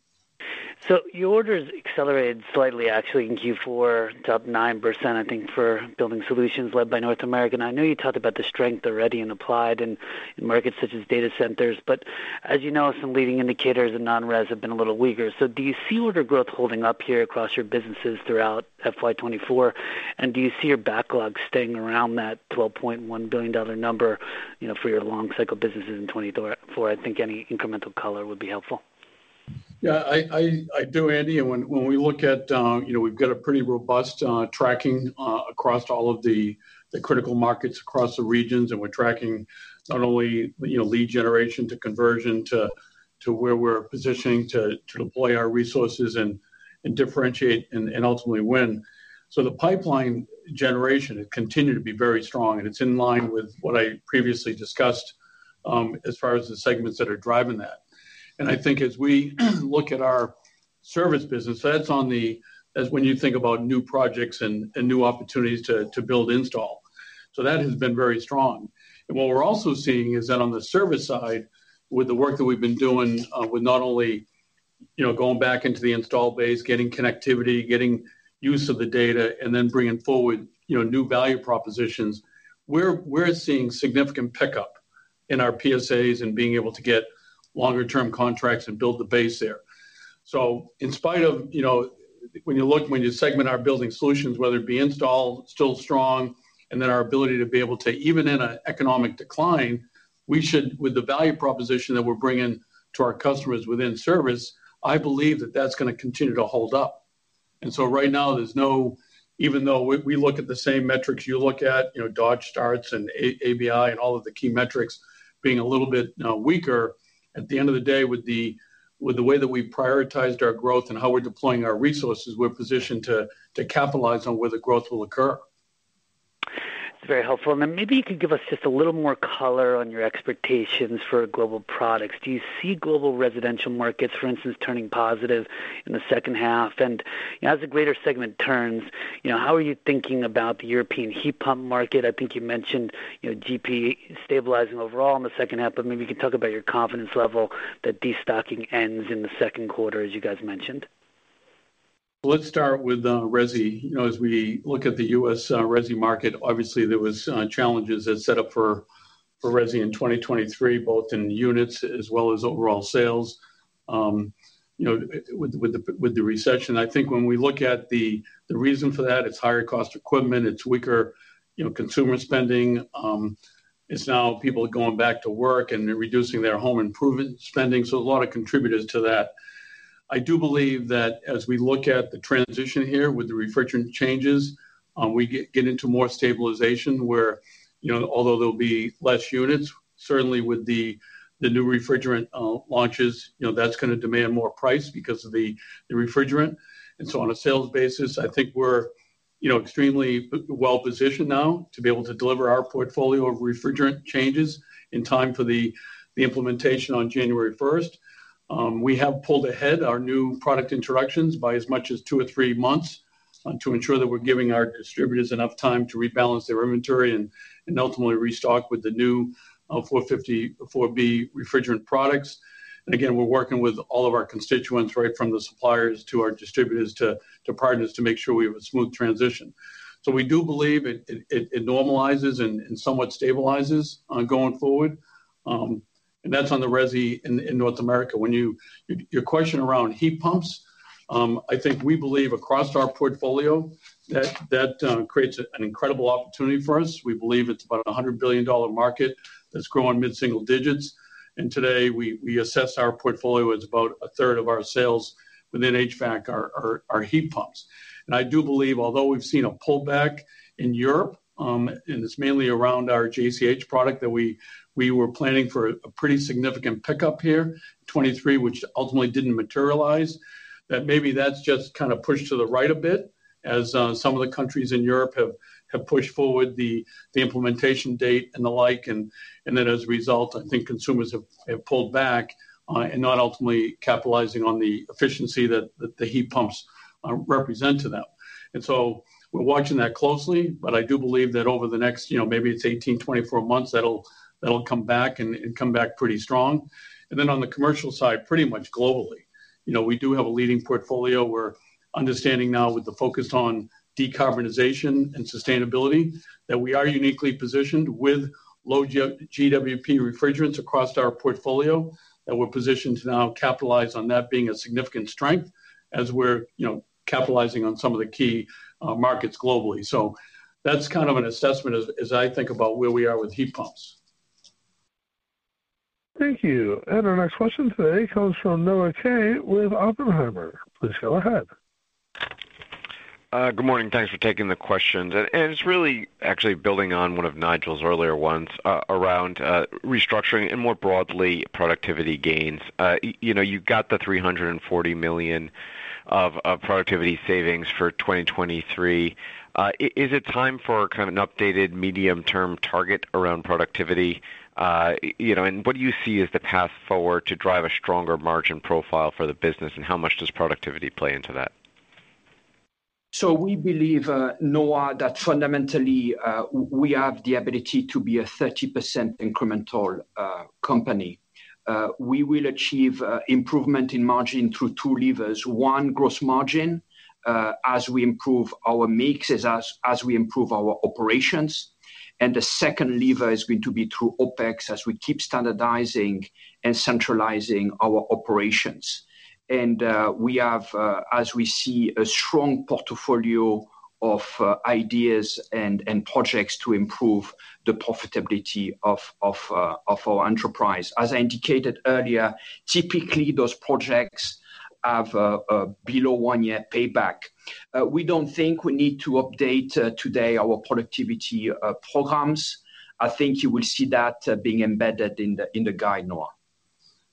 So your orders accelerated slightly, actually, in Q4, it's up 9%, I think, for Building Solutions led by North America. And I know you talked about the strength already in Applied and in markets such as data centers, but as you know, some leading indicators and non-res have been a little weaker. So do you see order growth holding up here across your businesses throughout FY 2024? And do you see your backlog staying around that $12.1 billion number, you know, for your long cycle businesses in 2024? I think any incremental color would be helpful. Yeah, I do, Andy, and when we look at, you know, we've got a pretty robust tracking across all of the critical markets across the regions, and we're tracking not only, you know, lead generation to conversion to where we're positioning to deploy our resources and differentiate and ultimately win. So the pipeline generation has continued to be very strong, and it's in line with what I previously discussed as far as the segments that are driving that. And I think as we look at our service business, that's... that's when you think about new projects and new opportunities to build install. So that has been very strong. And what we're also seeing is that on the service side, with the work that we've been doing with not only, you know, going back into the install base, getting connectivity, getting use of the data, and then bringing forward, you know, new value propositions, we're seeing significant pickup in our PSAs and being able to get longer term contracts and build the base there. So in spite of, you know, when you segment our Building Solutions, whether it be install, still strong, and then our ability to be able to even in an economic decline, we should, with the value proposition that we're bringing to our customers within service, I believe that that's gonna continue to hold up. And so right now, there's no—even though we look at the same metrics you look at, you know, Dodge Starts and ABI and all of the key metrics being a little bit weaker. At the end of the day, with the way that we've prioritized our growth and how we're deploying our resources, we're positioned to capitalize on where the growth will occur. It's very helpful. Then maybe you could give us just a little more color on your expectations for Global Products. Do you see Global Residential markets, for instance, turning positive in the second half? As the greater segment turns, you know, how are you thinking about the European heat pump market? I think you mentioned, you know, GP stabilizing overall in the second half, but maybe you could talk about your confidence level that destocking ends in the second quarter, as you guys mentioned. Let's start with resi. You know, as we look at the U.S., resi market, obviously there was challenges that set up for, for resi in 2023, both in units as well as overall sales. You know, with, with the, with the recession. I think when we look at the, the reason for that, it's higher cost equipment, it's weaker, you know, consumer spending, it's now people are going back to work and reducing their home improvement spending, so a lot of contributors to that. I do believe that as we look at the transition here with the refrigerant changes, we get, get into more stabilization where, you know, although there'll be less units, certainly with the, the new refrigerant, launches, you know, that's gonna demand more price because of the, the refrigerant. And so on a sales basis, I think we're, you know, extremely well positioned now to be able to deliver our portfolio of refrigerant changes in time for the implementation on January 1st. We have pulled ahead our new product introductions by as much as two or three months, to ensure that we're giving our distributors enough time to rebalance their inventory and ultimately restock with the new 454B refrigerant products. And again, we're working with all of our constituents, right from the suppliers to our distributors to partners, to make sure we have a smooth transition. So we do believe it normalizes and somewhat stabilizes, going forward. And that's on the resi in North America. When your question around heat pumps, I think we believe across our portfolio that creates an incredible opportunity for us. We believe it's about a $100 billion market that's growing mid-single digits. And today, we assess our portfolio as about a third of our sales within HVAC are heat pumps. And I do believe, although we've seen a pullback in Europe, and it's mainly around our JCH product that we were planning for a pretty significant pickup here, 2023, which ultimately didn't materialize, that maybe that's just kind of pushed to the right a bit. As some of the countries in Europe have pushed forward the implementation date and the like, and then as a result, I think consumers have pulled back and not ultimately capitalizing on the efficiency that the heat pumps represent to them. And so we're watching that closely, but I do believe that over the next, you know, maybe it's 18 months-24 months, that'll come back and come back pretty strong. And then on the commercial side, pretty much globally, you know, we do have a leading portfolio. We're understanding now with the focus on decarbonization and sustainability, that we are uniquely positioned with low-GWP refrigerants across our portfolio, and we're positioned to now capitalize on that being a significant strength as we're, you know, capitalizing on some of the key markets globally. That's kind of an assessment as I think about where we are with heat pumps. Thank you. Our next question today comes from Noah Kaye with Oppenheimer. Please go ahead. Good morning. Thanks for taking the questions. And it's really actually building on one of Nigel's earlier ones, around restructuring and more broadly, productivity gains. You know, you've got the $340 million of productivity savings for 2023. Is it time for kind of an updated medium-term target around productivity? You know, and what do you see as the path forward to drive a stronger margin profile for the business, and how much does productivity play into that? So we believe, Noah, that fundamentally, we have the ability to be a 30% incremental company. We will achieve improvement in margin through two levers. One, gross margin, as we improve our mix, as we improve our operations. And the second lever is going to be through OpEx, as we keep standardizing and centralizing our operations. And we have, as we see, a strong portfolio of ideas and projects to improve the profitability of our enterprise. As I indicated earlier, typically those projects have a below one-year payback. We don't think we need to update today our productivity programs. I think you will see that being embedded in the guide, Noah.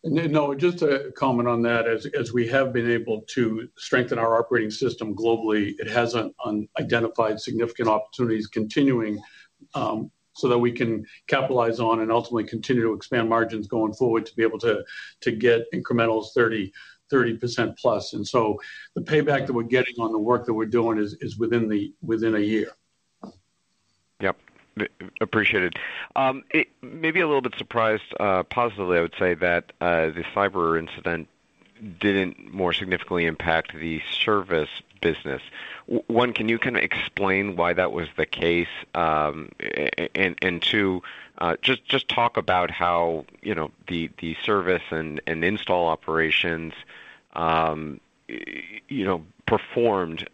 Noah, just to comment on that, as we have been able to strengthen our operating system globally, it has identified significant opportunities continuing, so that we can capitalize on and ultimately continue to expand margins going forward to be able to get incrementals 30%+. And so the payback that we're getting on the work that we're doing is within a year. Yep, appreciated. I maybe a little bit surprised, positively, I would say, that the cyber incident didn't more significantly impact the service business. One, can you kinda explain why that was the case? And two, just, just talk about how, you know, the service and install operations, you know, performed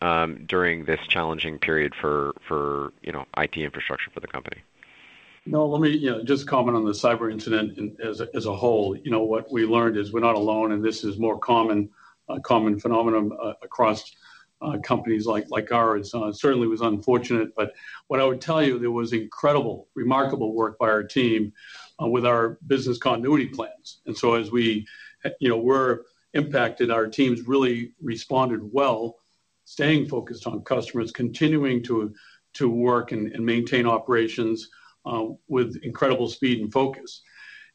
during this challenging period for, you know, IT infrastructure for the company. Noah, let me, you know, just comment on the cyber incident as, as a whole. You know, what we learned is we're not alone, and this is more common, a common phenomenon across companies like, like ours. It certainly was unfortunate, but what I would tell you, there was incredible, remarkable work by our team with our business continuity plans. And so as we, you know, were impacted, our teams really responded well, staying focused on customers, continuing to, to work and, and maintain operations with incredible speed and focus.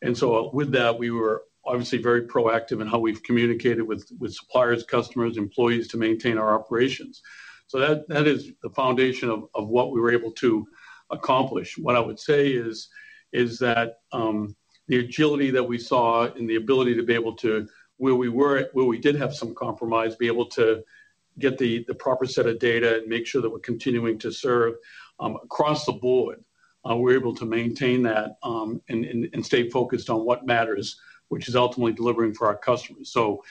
And so with that, we were obviously very proactive in how we've communicated with, with suppliers, customers, employees to maintain our operations. So that, that is the foundation of, of what we were able to accomplish. What I would say is that the agility that we saw and the ability to be able to... where we were, where we did have some compromise, be able to get the proper set of data and make sure that we're continuing to serve across the board, we're able to maintain that, and stay focused on what matters, which is ultimately delivering for our customers. So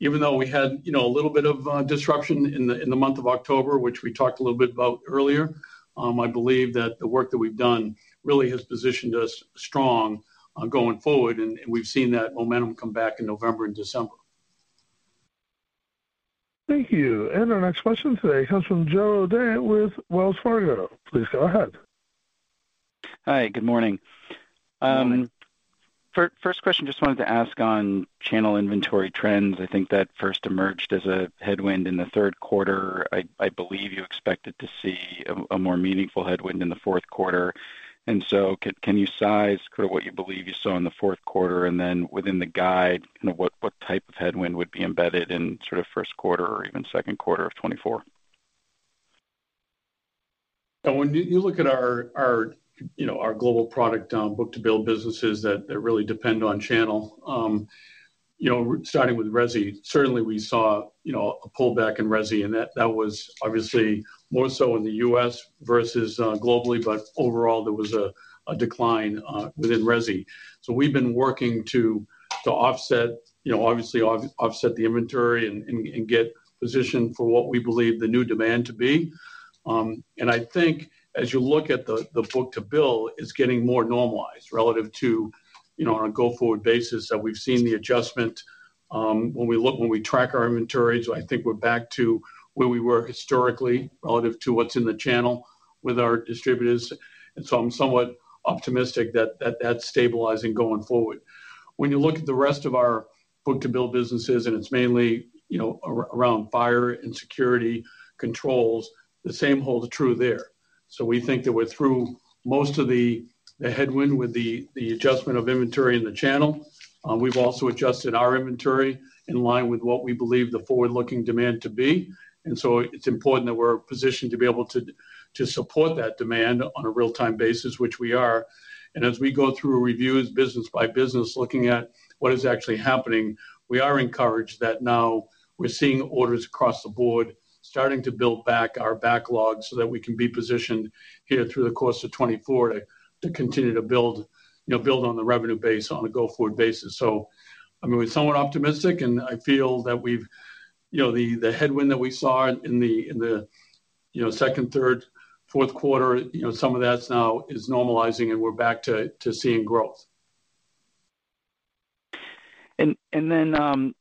even though we had, you know, a little bit of disruption in the month of October, which we talked a little bit about earlier, I believe that the work that we've done really has positioned us strong going forward, and we've seen that momentum come back in November and December. Thank you. Our next question today comes from Joe O'Dea with Wells Fargo. Please go ahead. Hi, good morning. Good morning. First question, just wanted to ask on channel inventory trends. I think that first emerged as a headwind in the third quarter. I believe you expected to see a more meaningful headwind in the fourth quarter. And so can you size sort of what you believe you saw in the fourth quarter, and then within the guide, you know, what type of headwind would be embedded in sort of first quarter or even second quarter of 2024? And when you look at our, our, you know, our Global Product book-to-bill businesses that really depend on channel, you know, starting with resi, certainly we saw, you know, a pullback in resi, and that was obviously more so in the U.S. versus globally, but overall, there was a decline within resi. So we've been working to offset, you know, obviously offset the inventory and get positioned for what we believe the new demand to be. And I think as you look at the book-to-bill, it's getting more normalized relative to, you know, on a go-forward basis, that we've seen the adjustment when we look when we track our inventory. So I think we're back to where we were historically relative to what's in the channel with our distributors, and so I'm somewhat optimistic that that's stabilizing going forward. When you look at the rest of our book-to-bill businesses, and it's mainly, you know, around Fire and Security controls. The same holds true there. So we think that we're through most of the headwind with the adjustment of inventory in the channel. We've also adjusted our inventory in line with what we believe the forward-looking demand to be. And so it's important that we're positioned to be able to support that demand on a real-time basis, which we are. As we go through reviews business by business, looking at what is actually happening, we are encouraged that now we're seeing orders across the board starting to build back our backlog so that we can be positioned here through the course of 2024 to, to continue to build, you know, build on the revenue base on a go-forward basis. So, I mean, we're somewhat optimistic, and I feel that we've, you know, the, the headwind that we saw in the, in the, you know, second, third, fourth quarter, you know, some of that's now is normalizing, and we're back to, to seeing growth. And then,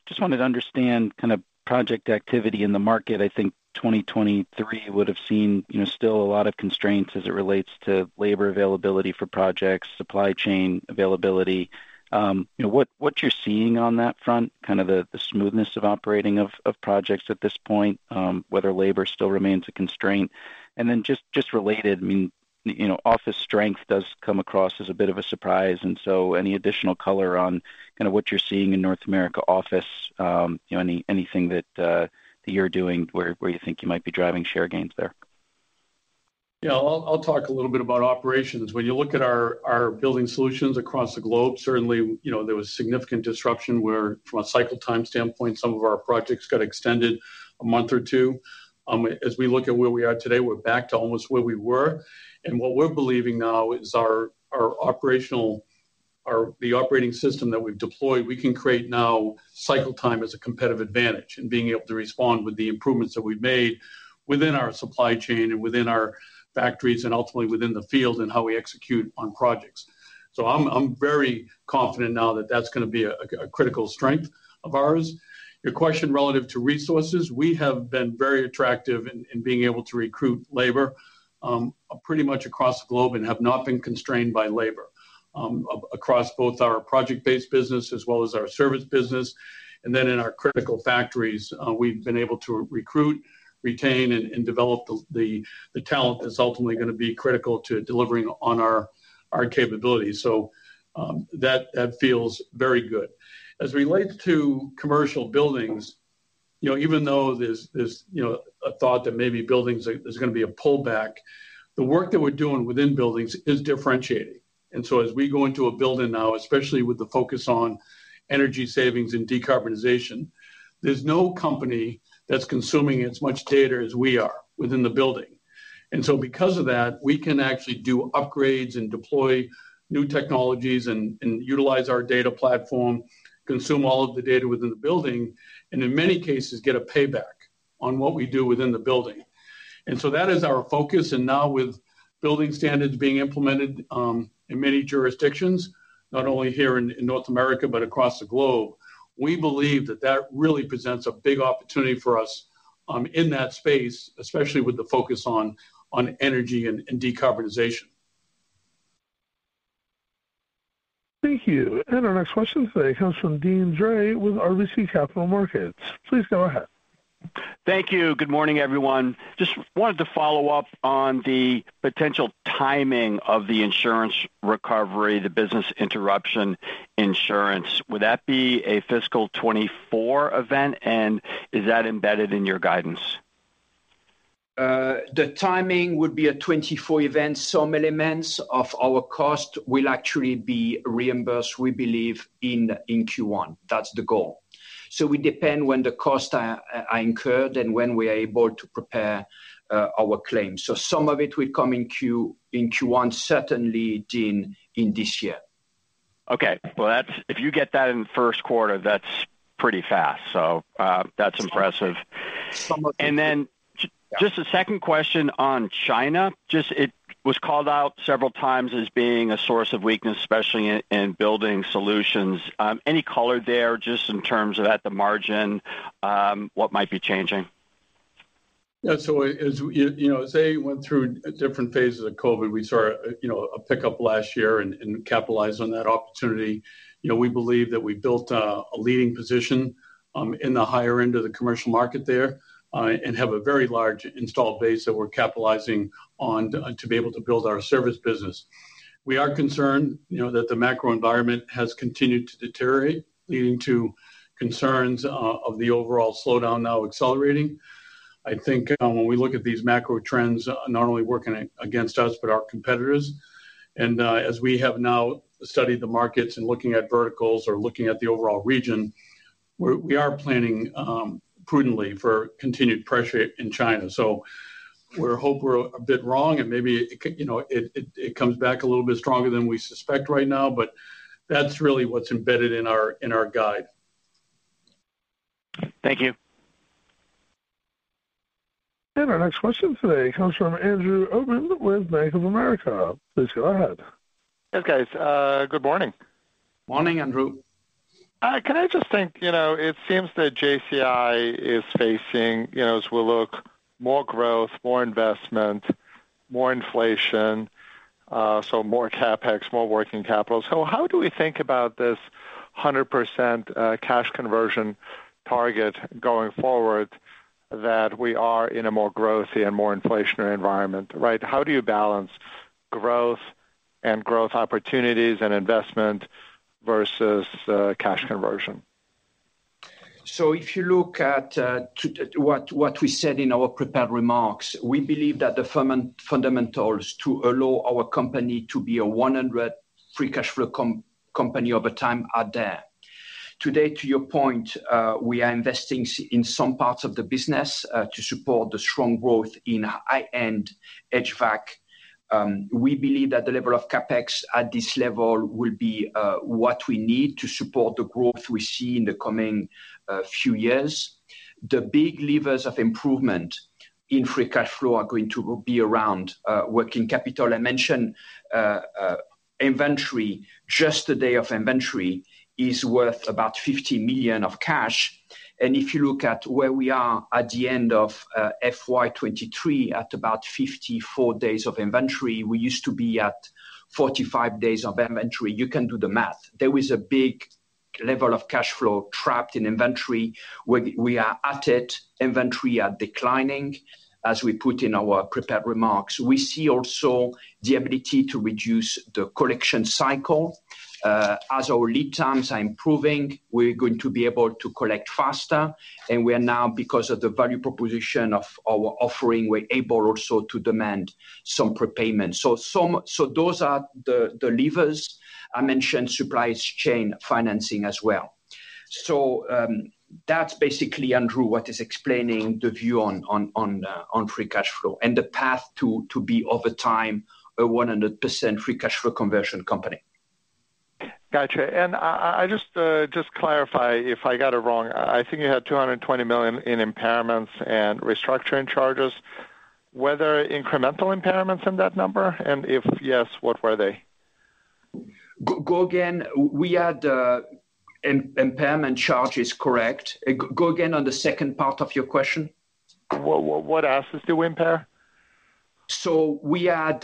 just wanted to understand kind of project activity in the market. I think 2023 would have seen, you know, still a lot of constraints as it relates to labor availability for projects, supply chain availability. You know, what you're seeing on that front, kind of the smoothness of operating of projects at this point, whether labor still remains a constraint. And then just related, I mean, you know, office strength does come across as a bit of a surprise, and so any additional color on kind of what you're seeing in North America office, you know, anything that you're doing where you think you might be driving share gains there? Yeah, I'll, I'll talk a little bit about operations. When you look at our, our Building Solutions across the globe, certainly, you know, there was significant disruption where, from a cycle time standpoint, some of our projects got extended a month or two. As we look at where we are today, we're back to almost where we were. And what we're believing now is our, our operational—our, the operating system that we've deployed, we can create now cycle time as a competitive advantage in being able to respond with the improvements that we've made within our supply chain and within our factories, and ultimately within the field, and how we execute on projects. So I'm, I'm very confident now that that's gonna be a, a critical strength of ours. Your question relative to resources, we have been very attractive in, in being able to recruit labor, pretty much across the globe and have not been constrained by labor. Across both our project-based business as well as our service business, and then in our critical factories, we've been able to recruit, retain, and develop the talent that's ultimately gonna be critical to delivering on our capabilities. That feels very good. As it relates to commercial buildings, you know, even though there's a thought that maybe buildings there's gonna be a pullback, the work that we're doing within buildings is differentiating. And so as we go into a building now, especially with the focus on energy savings and decarbonization, there's no company that's consuming as much data as we are within the building. Because of that, we can actually do upgrades and deploy new technologies and utilize our data platform, consume all of the data within the building, and in many cases, get a payback on what we do within the building. That is our focus, and now with building standards being implemented in many jurisdictions, not only here in North America, but across the globe, we believe that that really presents a big opportunity for us in that space, especially with the focus on energy and decarbonization. Thank you. Our next question today comes from Deane Dray with RBC Capital Markets. Please go ahead. Thank you. Good morning, everyone. Just wanted to follow up on the potential timing of the insurance recovery, the business interruption insurance. Would that be a fiscal 2024 event, and is that embedded in your guidance? The timing would be a 2024 event. Some elements of our cost will actually be reimbursed, we believe, in Q1. That's the goal. So we depend when the costs are incurred and when we are able to prepare our claims. So some of it will come in Q1, certainly, Deane, in this year. Okay. Well, that's if you get that in the first quarter, that's pretty fast, so that's impressive. Some of- And then just a second question on China. Just, it was called out several times as being a source of weakness, especially in Building Solutions. Any color there, just in terms of at the margin, what might be changing? Yeah, so as you know, as they went through different phases of COVID, we saw a, you know, a pickup last year and capitalized on that opportunity. You know, we believe that we built a leading position in the higher end of the commercial market there and have a very large installed base that we're capitalizing on to be able to build our service business. We are concerned, you know, that the macro environment has continued to deteriorate, leading to concerns of the overall slowdown now accelerating. I think when we look at these macro trends, not only working against us, but our competitors, and as we have now studied the markets and looking at verticals or looking at the overall region, we are planning prudently for continued pressure in China. So we hope we're a bit wrong, and maybe, you know, it comes back a little bit stronger than we suspect right now, but that's really what's embedded in our guide. Thank you. Our next question today comes from Andrew Obin with Bank of America. Please go ahead. Hey, guys, good morning. Morning, Andrew. Can I just think, you know, it seems that JCI is facing, you know, as we look, more growth, more investment.... more inflation, so more CapEx, more working capital. So how do we think about this 100% cash conversion target going forward, that we are in a more growthy and more inflationary environment, right? How do you balance growth and growth opportunities and investment versus cash conversion? So if you look at what we said in our prepared remarks, we believe that the fundamentals to allow our company to be a 100% free cash flow company over time are there. Today, to your point, we are investing in some parts of the business to support the strong growth in high-end HVAC. We believe that the level of CapEx at this level will be what we need to support the growth we see in the coming few years. The big levers of improvement in free cash flow are going to be around working capital. I mentioned inventory. Just the day of inventory is worth about $50 million of cash. And if you look at where we are at the end of FY 2023, at about 54 days of inventory, we used to be at 45 days of inventory. You can do the math. There is a big level of cash flow trapped in inventory. We are at it. Inventory are declining, as we put in our prepared remarks. We see also the ability to reduce the collection cycle. As our lead times are improving, we're going to be able to collect faster, and we are now, because of the value proposition of our offering, we're able also to demand some prepayment. So those are the, the levers. I mentioned supply chain financing as well. So, that's basically, Andrew, what is explaining the view on free cash flow, and the path to be, over time, a 100% free cash flow conversion company. Gotcha. I just clarify if I got it wrong. I think you had $220 million in impairments and restructuring charges. Were there incremental impairments in that number? And if yes, what were they? Go again. We had impairment charges, correct. Go again on the second part of your question. What assets do we impair? So we had,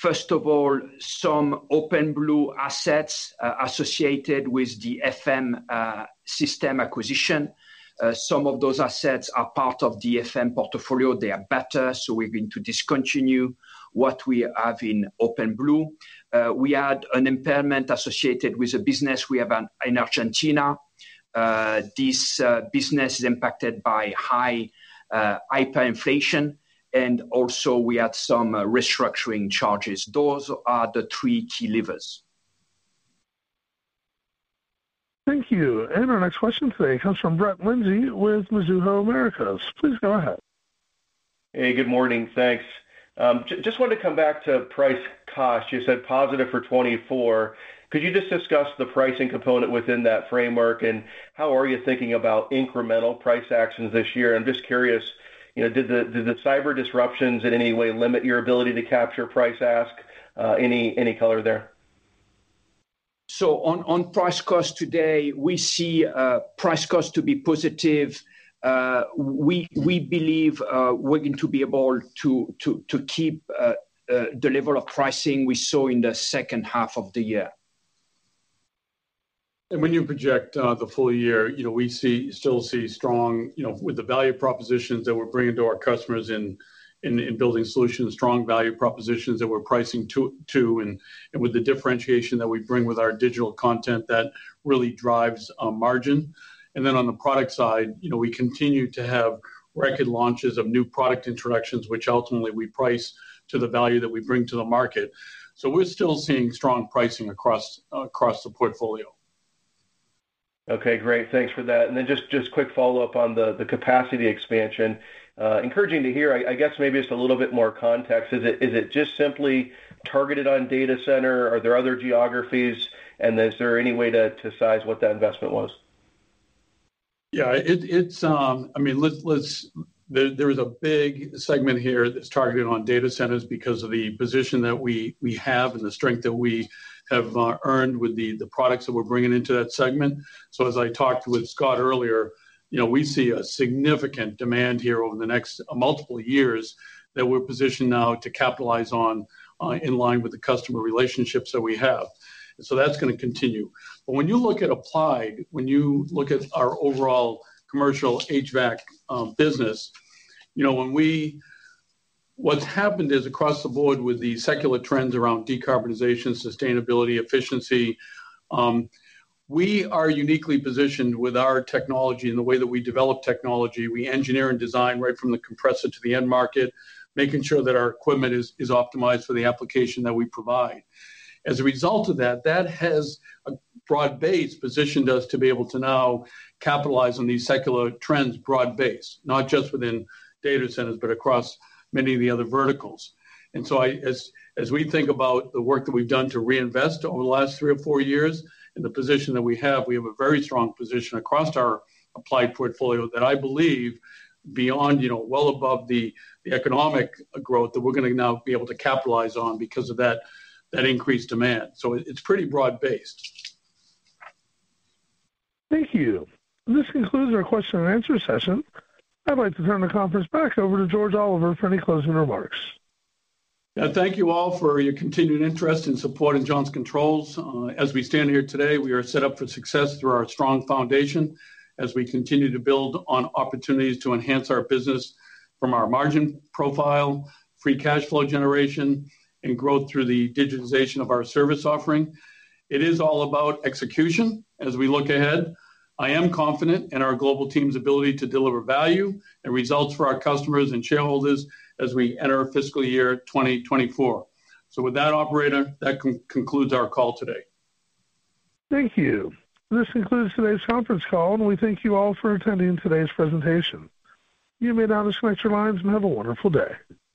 first of all, some OpenBlue assets associated with the FM:Systems acquisition. Some of those assets are part of the FM portfolio. They are better, so we're going to discontinue what we have in OpenBlue. We had an impairment associated with a business we have in Argentina. This business is impacted by high hyperinflation, and also we had some restructuring charges. Those are the three key levers. Thank you. And our next question today comes from Brett Linzey with Mizuho Americas. Please go ahead. Hey, good morning, thanks. Just wanted to come back to price/cost. You said positive for 2024. Could you just discuss the pricing component within that framework, and how are you thinking about incremental price actions this year? I'm just curious, you know, did the cyber disruptions in any way limit your ability to capture price ask? Any color there? So on price/cost today, we see price/cost to be positive. We believe we're going to be able to keep the level of pricing we saw in the second half of the year. And when you project the full year, you know, we still see strong. You know, with the value propositions that we're bringing to our customers in Building Solutions, strong value propositions that we're pricing to, and with the differentiation that we bring with our digital content, that really drives margin. And then on the product side, you know, we continue to have record launches of new product introductions, which ultimately we price to the value that we bring to the market. So we're still seeing strong pricing across the portfolio. Okay, great. Thanks for that. And then just quick follow-up on the capacity expansion. Encouraging to hear. I guess maybe just a little bit more context. Is it just simply targeted on data center? Are there other geographies, and is there any way to size what that investment was? Yeah, it's. I mean, let's, there is a big segment here that's targeted on data centers because of the position that we have and the strength that we have earned with the products that we're bringing into that segment. So as I talked with Scott earlier, you know, we see a significant demand here over the next multiple years that we're positioned now to capitalize on, in line with the customer relationships that we have. And so that's gonna continue. But when you look at Applied, when you look at our overall commercial HVAC business, you know, what's happened is, across the board with the secular trends around decarbonization, sustainability, efficiency, we are uniquely positioned with our technology and the way that we develop technology. We engineer and design right from the compressor to the end market, making sure that our equipment is optimized for the application that we provide. As a result of that, that has a broad base positioned us to be able to now capitalize on these secular trends, broad-based, not just within data centers, but across many of the other verticals. And so I, as we think about the work that we've done to reinvest over the last three or four years and the position that we have, we have a very strong position across our applied portfolio that I believe beyond, you know, well above the economic growth that we're gonna now be able to capitalize on because of that increased demand. So it's pretty broad-based. Thank you. This concludes our question and answer session. I'd like to turn the conference back over to George Oliver for any closing remarks. Thank you all for your continued interest and support in Johnson Controls. As we stand here today, we are set up for success through our strong foundation, as we continue to build on opportunities to enhance our business from our margin profile, free cash flow generation, and growth through the digitization of our service offering. It is all about execution as we look ahead. I am confident in our global team's ability to deliver value and results for our customers and shareholders as we enter fiscal year 2024. So with that, operator, that concludes our call today. Thank you. This concludes today's conference call, and we thank you all for attending today's presentation. You may now disconnect your lines, and have a wonderful day.